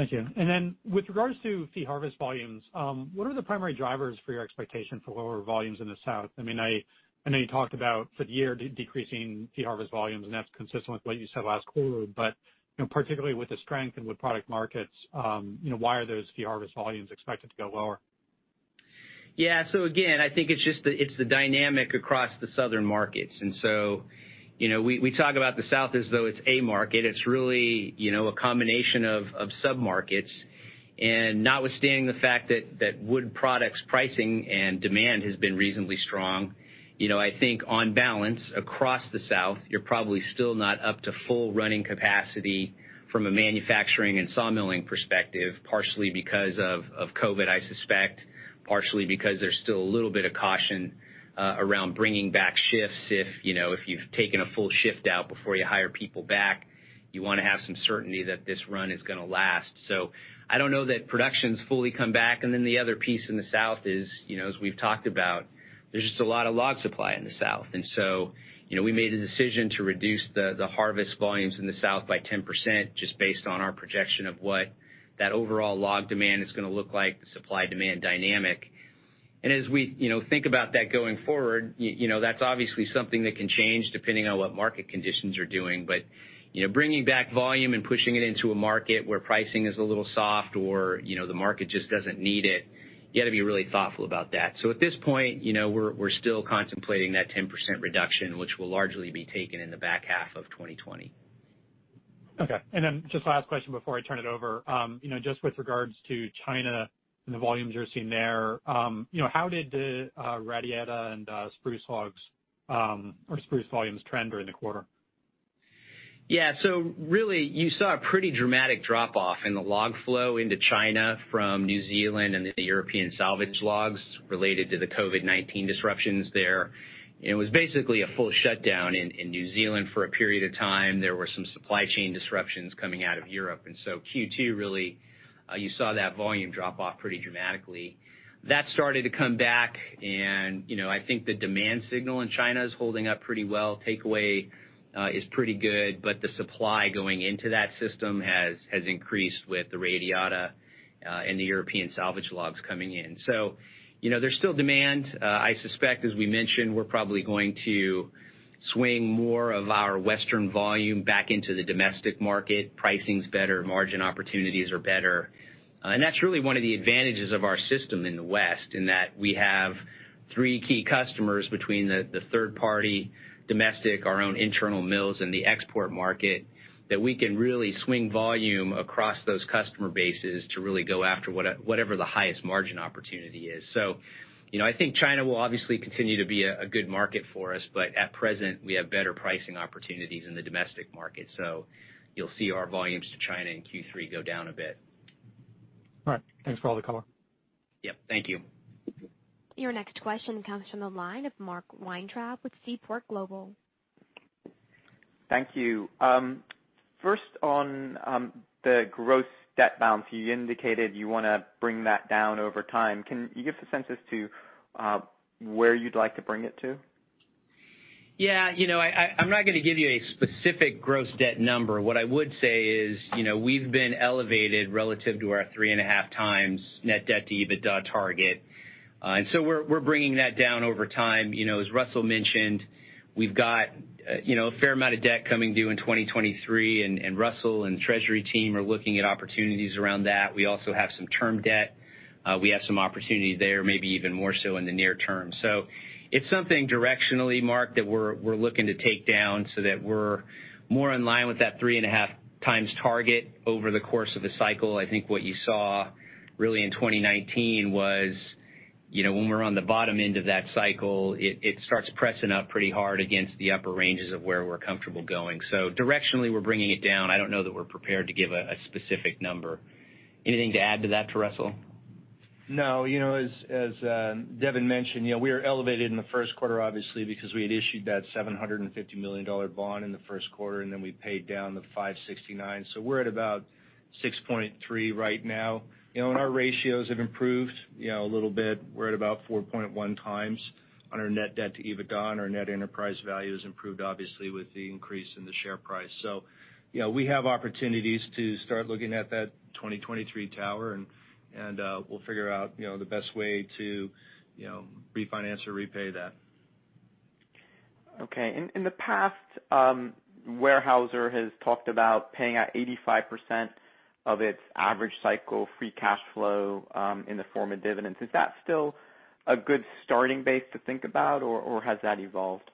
Thank you. And then with regards to fee harvest volumes, what are the primary drivers for your expectation for lower volumes in the South? I mean, I know you talked about for the year decreasing fee harvest volumes, and that's consistent with what you said last quarter. But particularly with the strength in wood product markets, why are those fee harvest volumes expected to go lower? Yeah. so again, I think it's the dynamic across the Southern markets. And so we talk about the South as though it's a market. It's really a combination of sub-markets. And notwithstanding the fact that Wood Products pricing and demand has been reasonably strong, I think on balance across the South, you're probably still not up to full running capacity from a manufacturing and sawmilling perspective, partially because of COVID, I suspect, partially because there's still a little bit of caution around bringing back shifts. If you've taken a full shift out before you hire people back, you want to have some certainty that this run is going to last. So I don't know that production's fully come back. And then the other piece in the South is, as we've talked about, there's just a lot of log supply in the South. And so we made a decision to reduce the harvest volumes in the South by 10% just based on our projection of what that overall log demand is going to look like, the supply-demand dynamic. And as we think about that going forward, that's obviously something that can change depending on what market conditions are doing. But bringing back volume and pushing it into a market where pricing is a little soft or the market just doesn't need it, you got to be really thoughtful about that. So at this point, we're still contemplating that 10% reduction, which will largely be taken in the back half of 2020. Okay. And then just last question before I turn it over. Just with regards to China and the volumes you're seeing there, how did the Radiata and spruce logs or spruce volumes trend during the quarter? Yeah. So really, you saw a pretty dramatic drop-off in the log flow into China from New Zealand and the European salvage logs related to the COVID-19 disruptions there. It was basically a full shutdown in New Zealand for a period of time. There were some supply chain disruptions coming out of Europe, and so second quarter, really, you saw that volume drop off pretty dramatically. That started to come back, and I think the demand signal in China is holding up pretty well. Takeaway is pretty good, but the supply going into that system has increased with the Radiata and the European salvage logs coming in, so there's still demand. I suspect, as we mentioned, we're probably going to swing more of our Western volume back into the domestic market. Pricing's better. Margin opportunities are better. That's really one of the advantages of our system in the West in that we have three key customers between the third-party, domestic, our own internal mills, and the export market that we can really swing volume across those customer bases to really go after whatever the highest margin opportunity is. I think China will obviously continue to be a good market for us, but at present, we have better pricing opportunities in the domestic market. You'll see our volumes to China in third quarter go down a bit. All right. Thanks for all the color. Yep. Thank you. Your next question comes from the line of Mark Weintraub with Seaport Global. Thank you. First, on the gross debt balance, you indicated you want to bring that down over time. Can you give some sense as to where you'd like to bring it to? Yeah. I'm not going to give you a specific gross debt number. What I would say is we've been elevated relative to our three and a half times net debt to EBITDA target. And so we're bringing that down over time. As Russell mentioned, we've got a fair amount of debt coming due in 2023, and Russell and Treasury team are looking at opportunities around that. We also have some term debt. We have some opportunity there, maybe even more so in the near term. So it's something directionally, Mark, that we're looking to take down so that we're more in line with that 3 1/2x target over the course of the cycle. I think what you saw really in 2019 was when we're on the bottom end of that cycle, it starts pressing up pretty hard against the upper ranges of where we're comfortable going. So directionally, we're bringing it down. I don't know that we're prepared to give a specific number. Anything to add to that, Russell? No. As Devin mentioned, we were elevated in the first quarter, obviously, because we had issued that $750 million bond in the first quarter, and then we paid down the $569 million. So we're at about 6.3 right now. And our ratios have improved a little bit. We're at about 4.1x on our net debt to EBITDA. Our net enterprise value has improved, obviously, with the increase in the share price. So we have opportunities to start looking at that 2023 tower, and we'll figure out the best way to refinance or repay that. Okay. In the past, Weyerhaeuser has talked about paying out 85% of its average cycle free cash flow in the form of dividends. Is that still a good starting basis to think about, or has that evolved?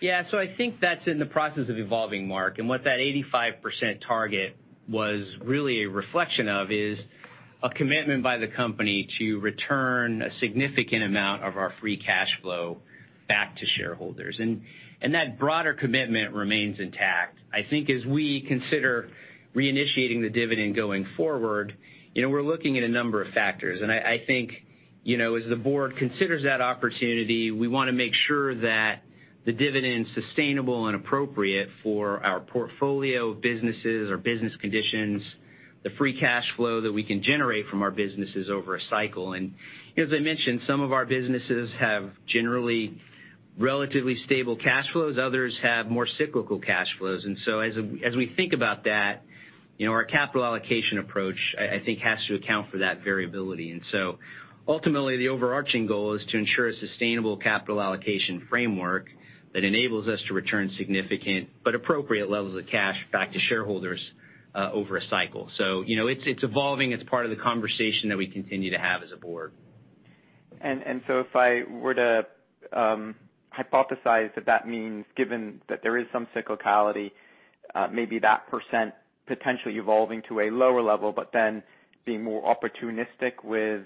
Yeah. So I think that's in the process of evolving, Mark. And what that 85% target was really a reflection of is a commitment by the company to return a significant amount of our free cash flow back to shareholders. And that broader commitment remains intact. I think as we consider reinitiating the dividend going forward, we're looking at a number of factors. And I think as the board considers that opportunity, we want to make sure that the dividend's sustainable and appropriate for our portfolio of businesses or business conditions, the free cash flow that we can generate from our businesses over a cycle. And as I mentioned, some of our businesses have generally relatively stable cash flows. Others have more cyclical cash flows. And so as we think about that, our capital allocation approach, I think, has to account for that variability. And so ultimately, the overarching goal is to ensure a sustainable capital allocation framework that enables us to return significant but appropriate levels of cash back to shareholders over a cycle. So it's evolving. It's part of the conversation that we continue to have as a board. And so if I were to hypothesize that that means, given that there is some cyclicality, maybe that percent potentially evolving to a lower level, but then being more opportunistic with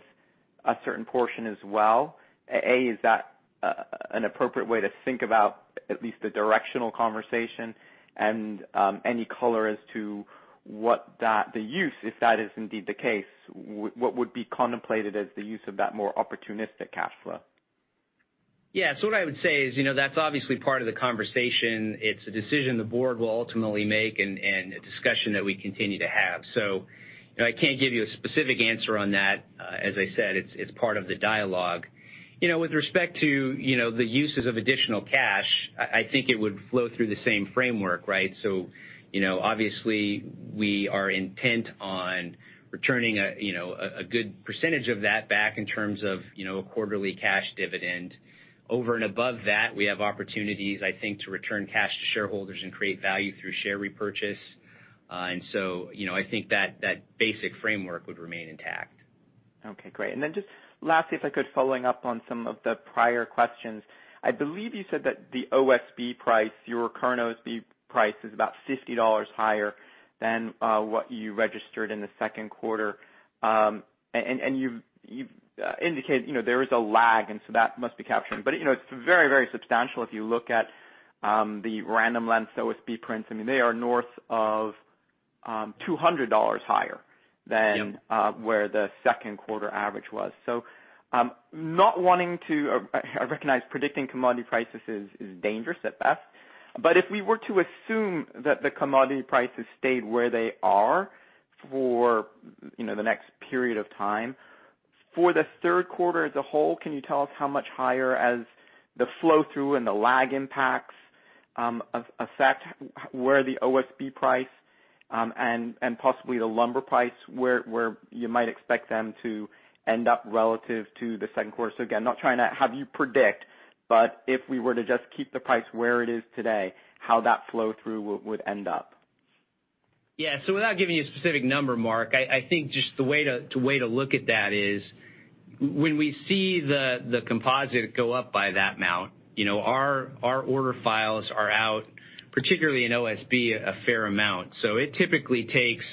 a certain portion as well, A, is that an appropriate way to think about at least the directional conversation and any color as to what the use, if that is indeed the case, what would be contemplated as the use of that more opportunistic cash flow? Yeah. So what I would say is that's obviously part of the conversation. It's a decision the board will ultimately make and a discussion that we continue to have. So I can't give you a specific answer on that. As I said, it's part of the dialogue. With respect to the uses of additional cash, I think it would flow through the same framework, right? So obviously, we are intent on returning a good percentage of that back in terms of a quarterly cash dividend. Over and above that, we have opportunities, I think, to return cash to shareholders and create value through share repurchase. And so I think that basic framework would remain intact. Okay. Great. Then just lastly, if I could, following up on some of the prior questions, I believe you said that the OSB price, your current OSB price, is about $50 higher than what you registered in the second quarter. And you've indicated there is a lag, and so that must be captured. But it's very, very substantial if you look at the Random Lengths OSB prints. I mean, they are North of $200 higher than where the second quarter average was. So not wanting to recognize predicting commodity prices is dangerous at best. But if we were to assume that the commodity prices stayed where they are for the next period of time, for the third quarter as a whole, can you tell us how much higher as the flow-through and the lag impacts affect where the OSB price and possibly the lumber price, where you might expect them to end up relative to the second quarter? So again, not trying to have you predict, but if we were to just keep the price where it is today, how that flow-through would end up? Yeah. So without giving you a specific number, Mark, I think just the way to look at that is when we see the composite go up by that amount, our order files are out, particularly in OSB, a fair amount. So it typically takes.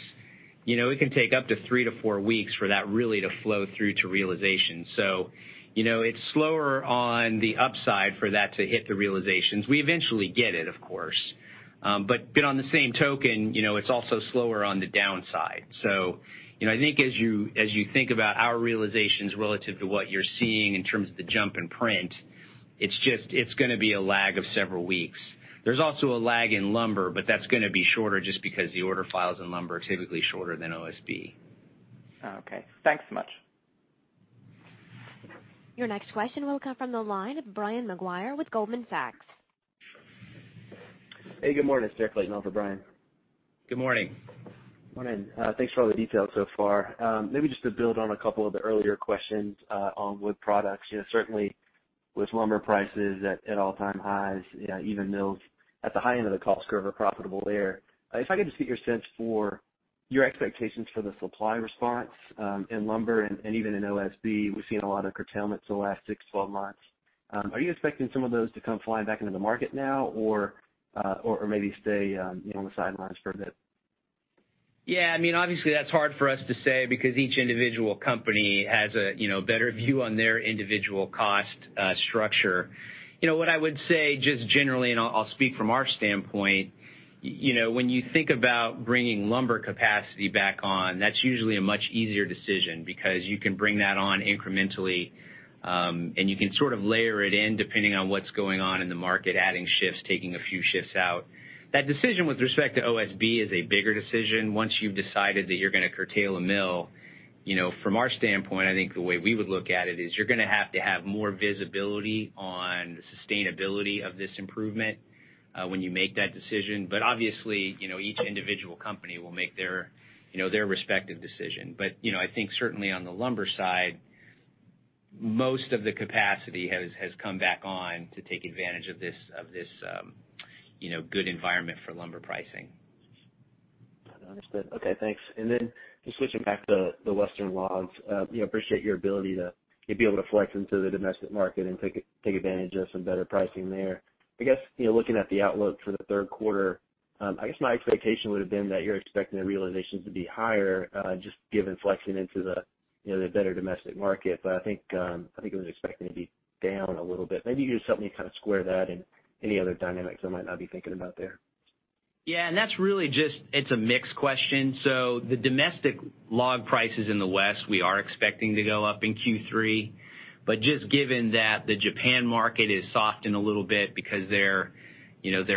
It can take up to three to four weeks for that really to flow through to realization. So it's slower on the upside for that to hit the realizations. We eventually get it, of course. But on the same token, it's also slower on the downside. So I think as you think about our realizations relative to what you're seeing in terms of the jump in print, it's going to be a lag of several weeks. There's also a lag in lumber, but that's going to be shorter just because the order files in lumber are typically shorter than OSB. Okay. Thanks so much. Your next question will come from the line of Brian Maguire with Goldman Sachs. Hey, good morning. It's Derrick Laton for Brian. Good morning. Morning. Thanks for all the details so far. Maybe just to build on a couple of the earlier questions on Wood Products, certainly with lumber prices at all-time highs, even mills at the high end of the cost curve are profitable there. If I could just get your sense for your expectations for the supply response in lumber and even in OSB, we've seen a lot of curtailments the last six, 12 months. Are you expecting some of those to come flying back into the market now or maybe stay on the sidelines for a bit? Yeah. I mean, obviously, that's hard for us to say because each individual company has a better view on their individual cost structure. What I would say just generally, and I'll speak from our standpoint, when you think about bringing lumber capacity back on, that's usually a much easier decision because you can bring that on incrementally, and you can sort of layer it in depending on what's going on in the market, adding shifts, taking a few shifts out. That decision with respect to OSB is a bigger decision once you've decided that you're going to curtail a mill. From our standpoint, I think the way we would look at it is you're going to have to have more visibility on the sustainability of this improvement when you make that decision. But obviously, each individual company will make their respective decision. But I think certainly on the lumber side, most of the capacity has come back on to take advantage of this good environment for lumber pricing. Understood. Okay. Thanks. And then just switching back to the Western logs, we appreciate your ability to be able to flex into the domestic market and take advantage of some better pricing there. I guess looking at the outlook for the third quarter, I guess my expectation would have been that you're expecting the realizations to be higher just given flexing into the better domestic market. But I think I was expecting to be down a little bit. Maybe you could just help me kind of square that and any other dynamics I might not be thinking about there. Yeah. And that's really just it's a mixed question. So the domestic log prices in the West, we are expecting to go up in third quarter. But just given that the Japan market is softened a little bit because their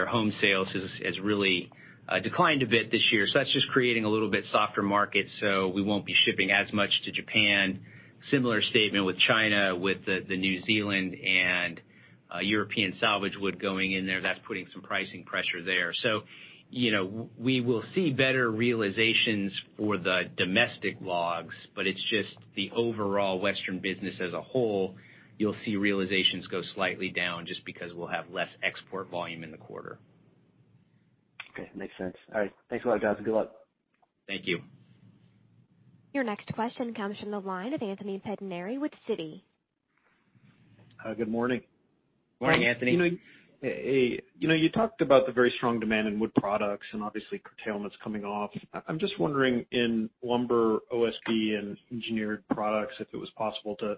home sales has really declined a bit this year. So that's just creating a little bit softer market. So we won't be shipping as much to Japan. Similar statement with China with the New Zealand and European salvage wood going in there. That's putting some pricing pressure there. So we will see better realizations for the domestic logs, but it's just the overall Western business as a whole, you'll see realizations go slightly down just because we'll have less export volume in the quarter. Okay. Makes sense. All right. Thanks a lot, guys. Good luck. Thank you. Your next question comes from the line of Anthony Pettinari with Citi. Good morning. Morning, Anthony. You talked about the very strong demand in Wood Products and obviously curtailments coming off. I'm just wondering in lumber, OSB, and engineered products if it was possible to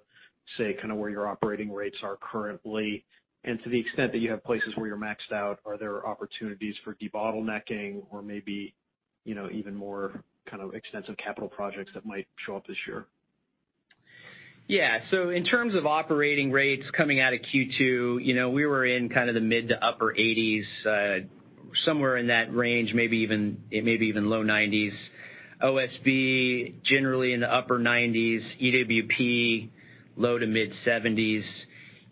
say kind of where your operating rates are currently. To the extent that you have places where you're maxed out, are there opportunities for debottlenecking or maybe even more kind of extensive capital projects that might show up this year? Yeah. So in terms of operating rates coming out of second quarter, we were in kind of the mid-to-upper 80s, somewhere in that range, maybe even low 90s. OSB generally in the upper 90s, EWP low-to-mid-70s.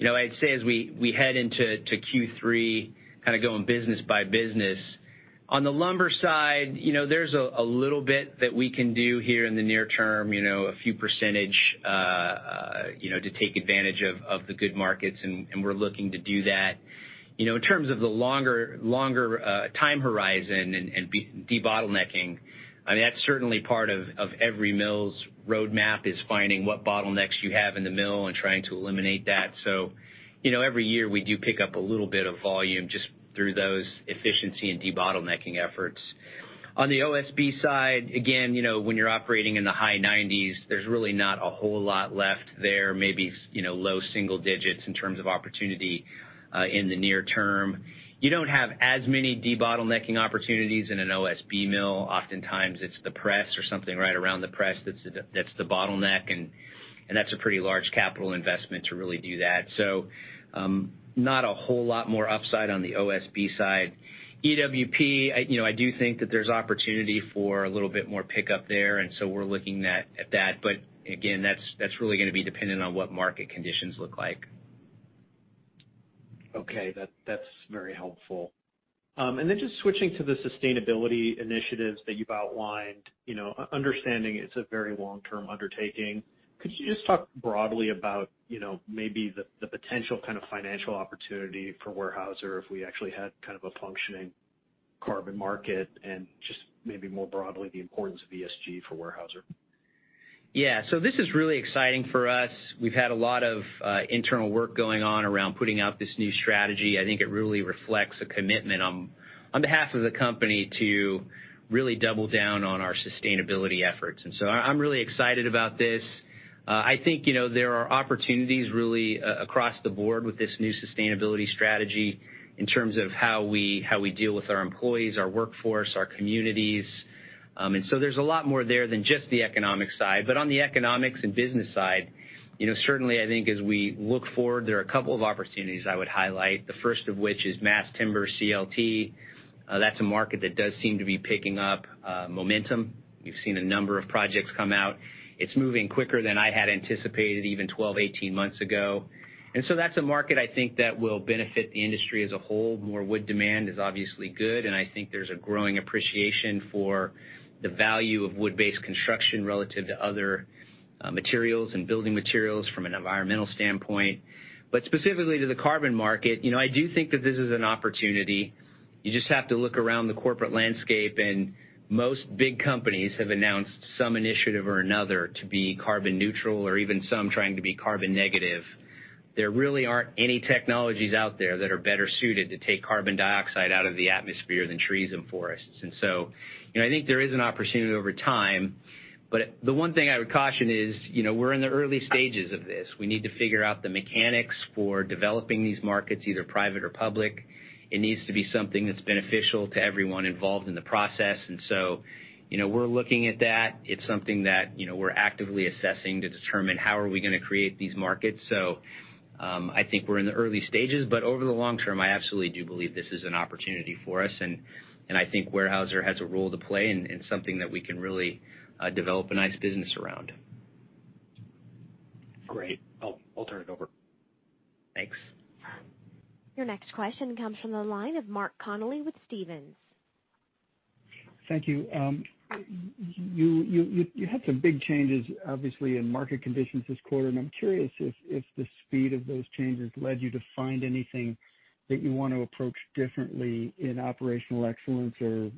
I'd say as we head into third quarter, kind of going business by business, on the lumber side, there's a little bit that we can do here in the near term, a few percentage to take advantage of the good markets, and we're looking to do that. In terms of the longer time horizon and debottlenecking, I mean, that's certainly part of every mill's roadmap, is finding what bottlenecks you have in the mill and trying to eliminate that. So every year we do pick up a little bit of volume just through those efficiency and debottlenecking efforts. On the OSB side, again, when you're operating in the high 90s, there's really not a whole lot left there, maybe low single digits in terms of opportunity in the near term. You don't have as many debottlenecking opportunities in an OSB mill. Oftentimes, it's the press or something right around the press that's the bottleneck, and that's a pretty large capital investment to really do that. So not a whole lot more upside on the OSB side. EWP, I do think that there's opportunity for a little bit more pickup there, and so we're looking at that. But again, that's really going to be dependent on what market conditions look like. Okay. That's very helpful. And then just switching to the sustainability initiatives that you've outlined, understanding it's a very long-term undertaking, could you just talk broadly about maybe the potential kind of financial opportunity for Weyerhaeuser if we actually had kind of a functioning carbon market and just maybe more broadly the importance of ESG for Weyerhaeuser? Yeah. So this is really exciting for us. We've had a lot of internal work going on around putting out this new strategy. I think it really reflects a commitment on behalf of the company to really double down on our sustainability efforts. And so I'm really excited about this. I think there are opportunities really across the board with this new sustainability strategy in terms of how we deal with our employees, our workforce, our communities. And so there's a lot more there than just the economic side. But on the economics and business side, certainly, I think as we look forward, there are a couple of opportunities I would highlight, the first of which is Mass Timber CLT. That's a market that does seem to be picking up momentum. We've seen a number of projects come out. It's moving quicker than I had anticipated even 12, 18 months ago. And so that's a market I think that will benefit the industry as a whole. More wood demand is obviously good, and I think there's a growing appreciation for the value of wood-based construction relative to other materials and building materials from an environmental standpoint. But specifically to the carbon market, I do think that this is an opportunity. You just have to look around the corporate landscape, and most big companies have announced some initiative or another to be carbon neutral or even some trying to be carbon negative. There really aren't any technologies out there that are better suited to take carbon dioxide out of the atmosphere than trees and forests, and so I think there is an opportunity over time, but the one thing I would caution is we're in the early stages of this. We need to figure out the mechanics for developing these markets, either private or public. It needs to be something that's beneficial to everyone involved in the process, and so we're looking at that. It's something that we're actively assessing to determine how are we going to create these markets, so I think we're in the early stages. But over the long term, I absolutely do believe this is an opportunity for us. And I think Weyerhaeuser has a role to play and something that we can really develop a nice business around. Great. I'll turn it over. Thanks. Your next question comes from the line of Mark Connelly with Stephens. Thank you. You had some big changes, obviously, in market conditions this quarter. And I'm curious if the speed of those changes led you to find anything that you want to approach differently in Operational Excellence or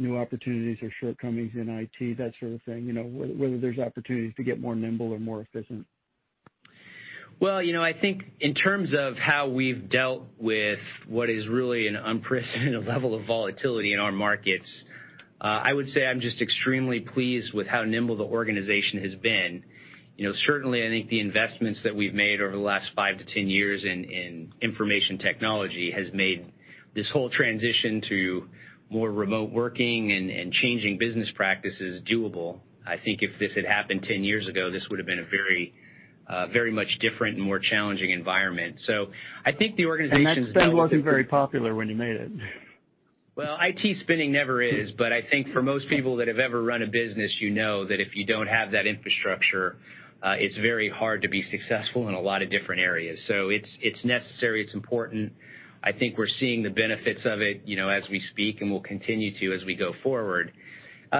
new opportunities or shortcomings in IT, that sort of thing, whether there's opportunities to get more nimble or more efficient. Well, I think in terms of how we've dealt with what is really an unprecedented level of volatility in our markets, I would say I'm just extremely pleased with how nimble the organization has been. Certainly, I think the investments that we've made over the last five to 10 years in information technology has made this whole transition to more remote working and changing business practices doable. I think if this had happened 10 years ago, this would have been a very much different and more challenging environment, so I think the organization's been very And that spend wasn't very popular when you made it. Well, IT spending never is, but I think for most people that have ever run a business, you know that if you don't have that infrastructure, it's very hard to be successful in a lot of different areas, so it's necessary. It's important. I think we're seeing the benefits of it as we speak and will continue to as we go forward.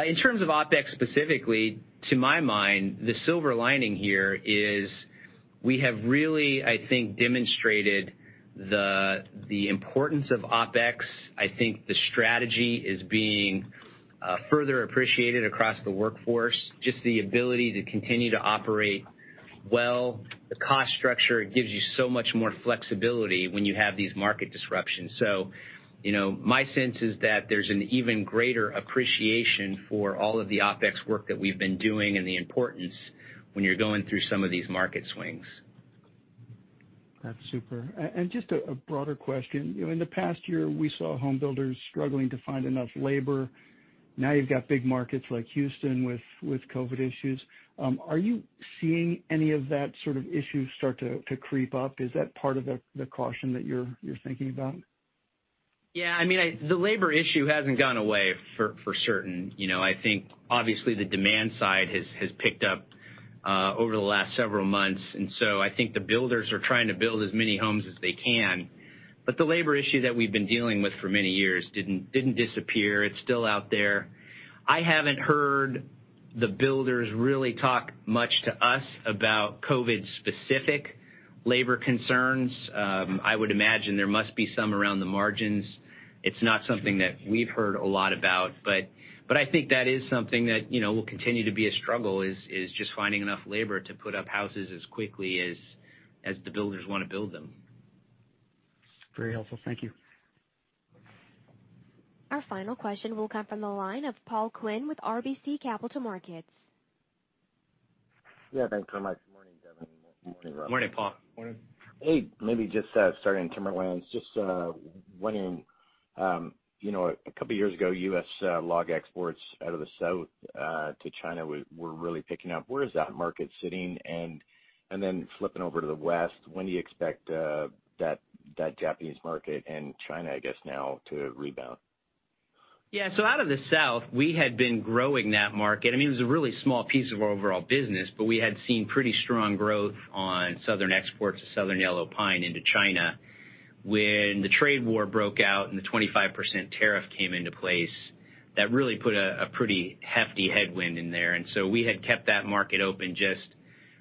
In terms of OpEx specifically, to my mind, the silver lining here is we have really, I think, demonstrated the importance of OpEx. I think the strategy is being further appreciated across the workforce, just the ability to continue to operate well. The cost structure gives you so much more flexibility when you have these market disruptions. So my sense is that there's an even greater appreciation for all of the OpEx work that we've been doing and the importance when you're going through some of these market swings. That's super. And just a broader question. In the past year, we saw homebuilders struggling to find enough labor. Now you've got big markets like Houston with COVID issues. Are you seeing any of that sort of issue start to creep up? Is that part of the caution that you're thinking about? Yeah. I mean, the labor issue hasn't gone away for certain. I think, obviously, the demand side has picked up over the last several months. And so I think the builders are trying to build as many homes as they can. But the labor issue that we've been dealing with for many years didn't disappear. It's still out there. I haven't heard the builders really talk much to us about COVID-specific labor concerns. I would imagine there must be some around the margins. It's not something that we've heard a lot about. But I think that is something that will continue to be a struggle is just finding enough labor to put up houses as quickly as the builders want to build them. Very helpful. Thank you. Our final question will come from the line of Paul Quinn with RBC Capital Markets. Yeah. Thanks so much. Good morning, Devin. Good morning, Russell. Morning, Paul. Morning. Hey, maybe just starting in Timberlands. Just wondering, a couple of years ago, U.S. log exports out of the South to China were really picking up. Where is that market sitting? And then flipping over to the West, when do you expect that Japanese market and China, I guess now, to rebound? Yeah. So out of the South, we had been growing that market. I mean, it was a really small piece of our overall business, but we had seen pretty strong growth on Southern exports of Southern Yellow Pine into China. When the trade war broke out and the 25% tariff came into place, that really put a pretty hefty headwind in there. And so we had kept that market open just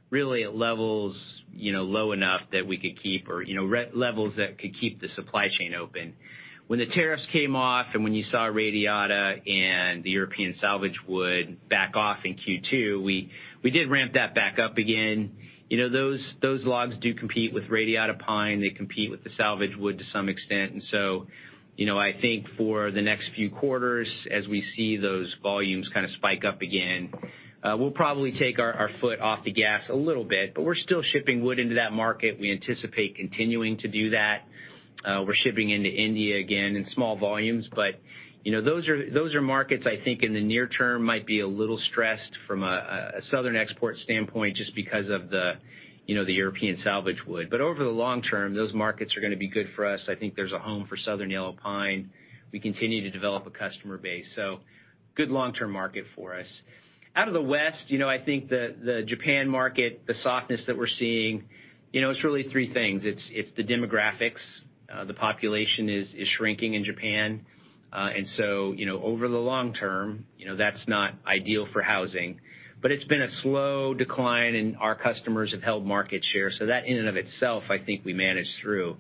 really at levels low enough that we could keep our levels that could keep the supply chain open. When the tariffs came off and when you saw Radiata and the European salvage wood back off in second quarter, we did ramp that back up again. Those logs do compete with Radiata pine. They compete with the salvage wood to some extent, and so I think for the next few quarters, as we see those volumes kind of spike up again, we'll probably take our foot off the gas a little bit, but we're still shipping wood into that market. We anticipate continuing to do that. We're shipping into India again in small volumes, but those are markets I think in the near term might be a little stressed from a Southern export standpoint just because of the European salvage wood. But over the long term, those markets are going to be good for us. I think there's a home for Southern Yellow Pine. We continue to develop a customer base. So good long-term market for us. Out of the West, I think the Japan market, the softness that we're seeing, it's really three things. It's the demographics. The population is shrinking in Japan. And so over the long term, that's not ideal for housing. But it's been a slow decline, and our customers have held market share. So that in and of itself, I think we managed through.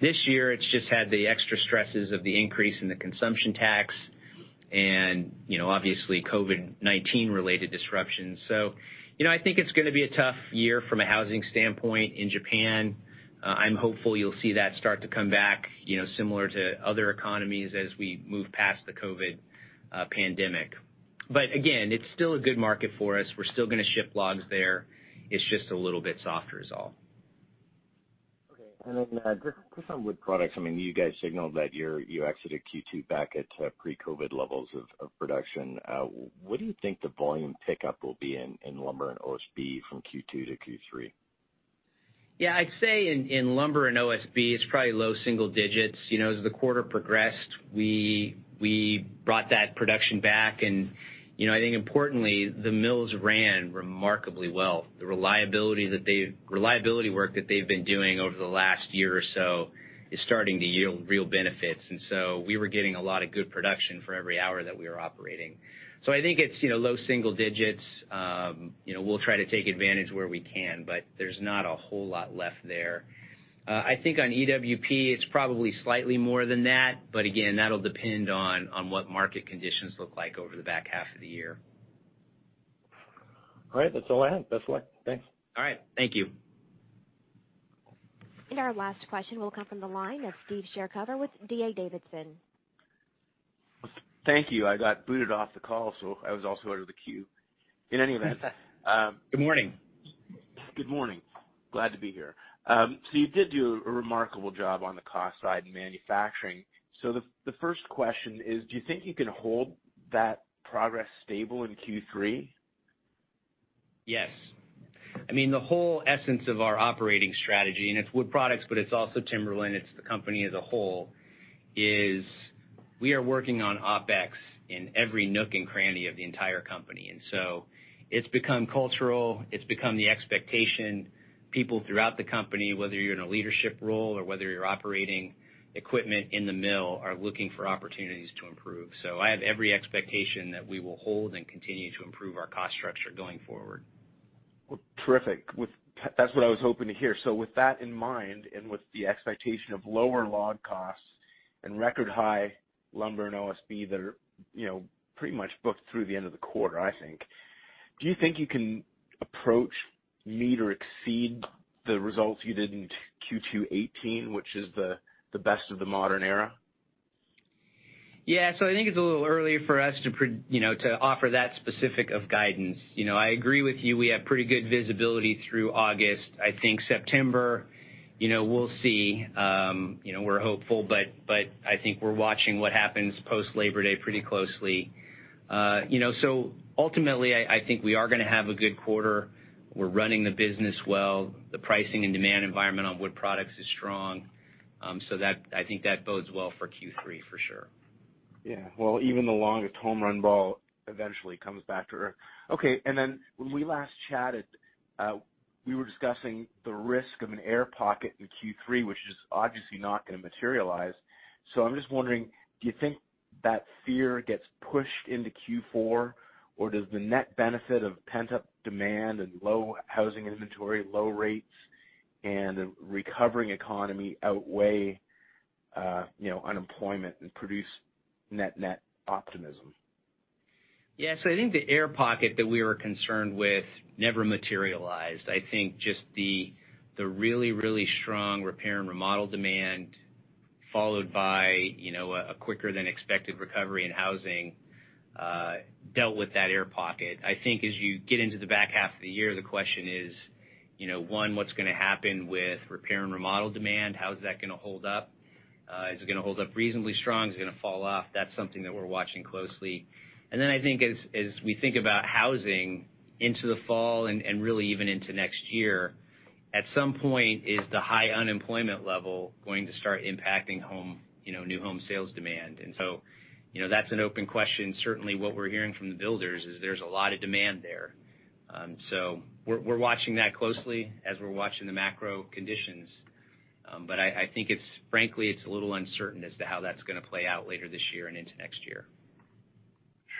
This year, it's just had the extra stresses of the increase in the consumption tax and obviously COVID-19-related disruptions. So I think it's going to be a tough year from a housing standpoint in Japan. I'm hopeful you'll see that start to come back similar to other economies as we move past the COVID pandemic. But again, it's still a good market for us. We're still going to ship logs there. It's just a little bit softer is all. Okay. And then just on Wood Products, I mean, you guys signaled that you exited second quarter back at pre-COVID levels of production. What do you think the volume pickup will be in lumber and OSB from Q2 to Q3? Yeah. I'd say in lumber and OSB, it's probably low single digits. As the quarter progressed, we brought that production back. And I think importantly, the mills ran remarkably well. The reliability work that they've been doing over the last year or so is starting to yield real benefits. And so we were getting a lot of good production for every hour that we were operating. So I think it's low single digits. We'll try to take advantage where we can, but there's not a whole lot left there. I think on EWP, it's probably slightly more than that. But again, that'll depend on what market conditions look like over the back half of the year. All right. That's all I have. Best of luck. Thanks. All right. Thank you. And our last question will come from the line of Steve Chercover with DA Davidson. Thank you. I got booted off the call, so I was also out of the queue. Good morning. Good morning. Glad to be here. So you did do a remarkable job on the cost side in manufacturing. So the first question is, do you think you can hold that progress stable in Q3? Yes. I mean, the whole essence of our operating strategy, and it's Wood Products, but it's also Timberlands. It's the company as a whole, is we are working on OpEx in every nook and cranny of the entire company. And so it's become cultural. It's become the expectation. People throughout the company, whether you're in a leadership role or whether you're operating equipment in the mill, are looking for opportunities to improve. So I have every expectation that we will hold and continue to improve our cost structure going forward. Terrific. That's what I was hoping to hear. So with that in mind and with the expectation of lower log costs and record high lumber and OSB that are pretty much booked through the end of the quarter, I think, do you think you can approach, meet, or exceed the results you did in Q2 2018, which is the best of the modern era? Yeah. So I think it's a little early for us to offer that specific of guidance. I agree with you. We have pretty good visibility through August. I think September, we'll see. We're hopeful. But I think we're watching what happens post-Labor Day pretty closely. So ultimately, I think we are going to have a good quarter. We're running the business well. The pricing and demand environment on Wood Products is strong. So I think that bodes well for Q3 for sure. Yeah. Well, even the longest home run ball eventually comes back to earth. Okay. And then when we last chatted, we were discussing the risk of an air pocket in third quarter, which is obviously not going to materialize. So I'm just wondering, do you think that fear gets pushed into Q4, or does the net benefit of pent-up demand and low housing inventory, low rates, and a recovering economy outweigh unemployment and produce net-net optimism? Yeah. So I think the air pocket that we were concerned with never materialized. I think just the really, really strong repair and remodel demand, followed by a quicker-than-expected recovery in housing, dealt with that air pocket. I think as you get into the back half of the year, the question is, one, what's going to happen with repair and remodel demand? How is that going to hold up? Is it going to hold up reasonably strong? Is it going to fall off? That's something that we're watching closely, and then I think as we think about housing into the fall and really even into next year, at some point, is the high unemployment level going to start impacting new home sales demand, and so that's an open question. Certainly, what we're hearing from the builders is there's a lot of demand there, so we're watching that closely as we're watching the macro conditions. But I think, frankly, it's a little uncertain as to how that's going to play out later this year and into next year.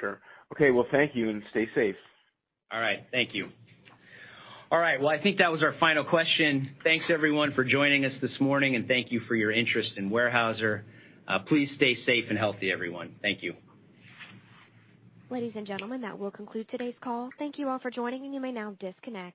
Sure. Okay. Well, thank you. And stay safe. All right. Thank you. All right. Well, I think that was our final question. Thanks, everyone, for joining us this morning. And thank you for your interest in Weyerhaeuser. Please stay safe and healthy, everyone. Thank you. Ladies and gentlemen, that will conclude today's call. Thank you all for joining. And you may now disconnect.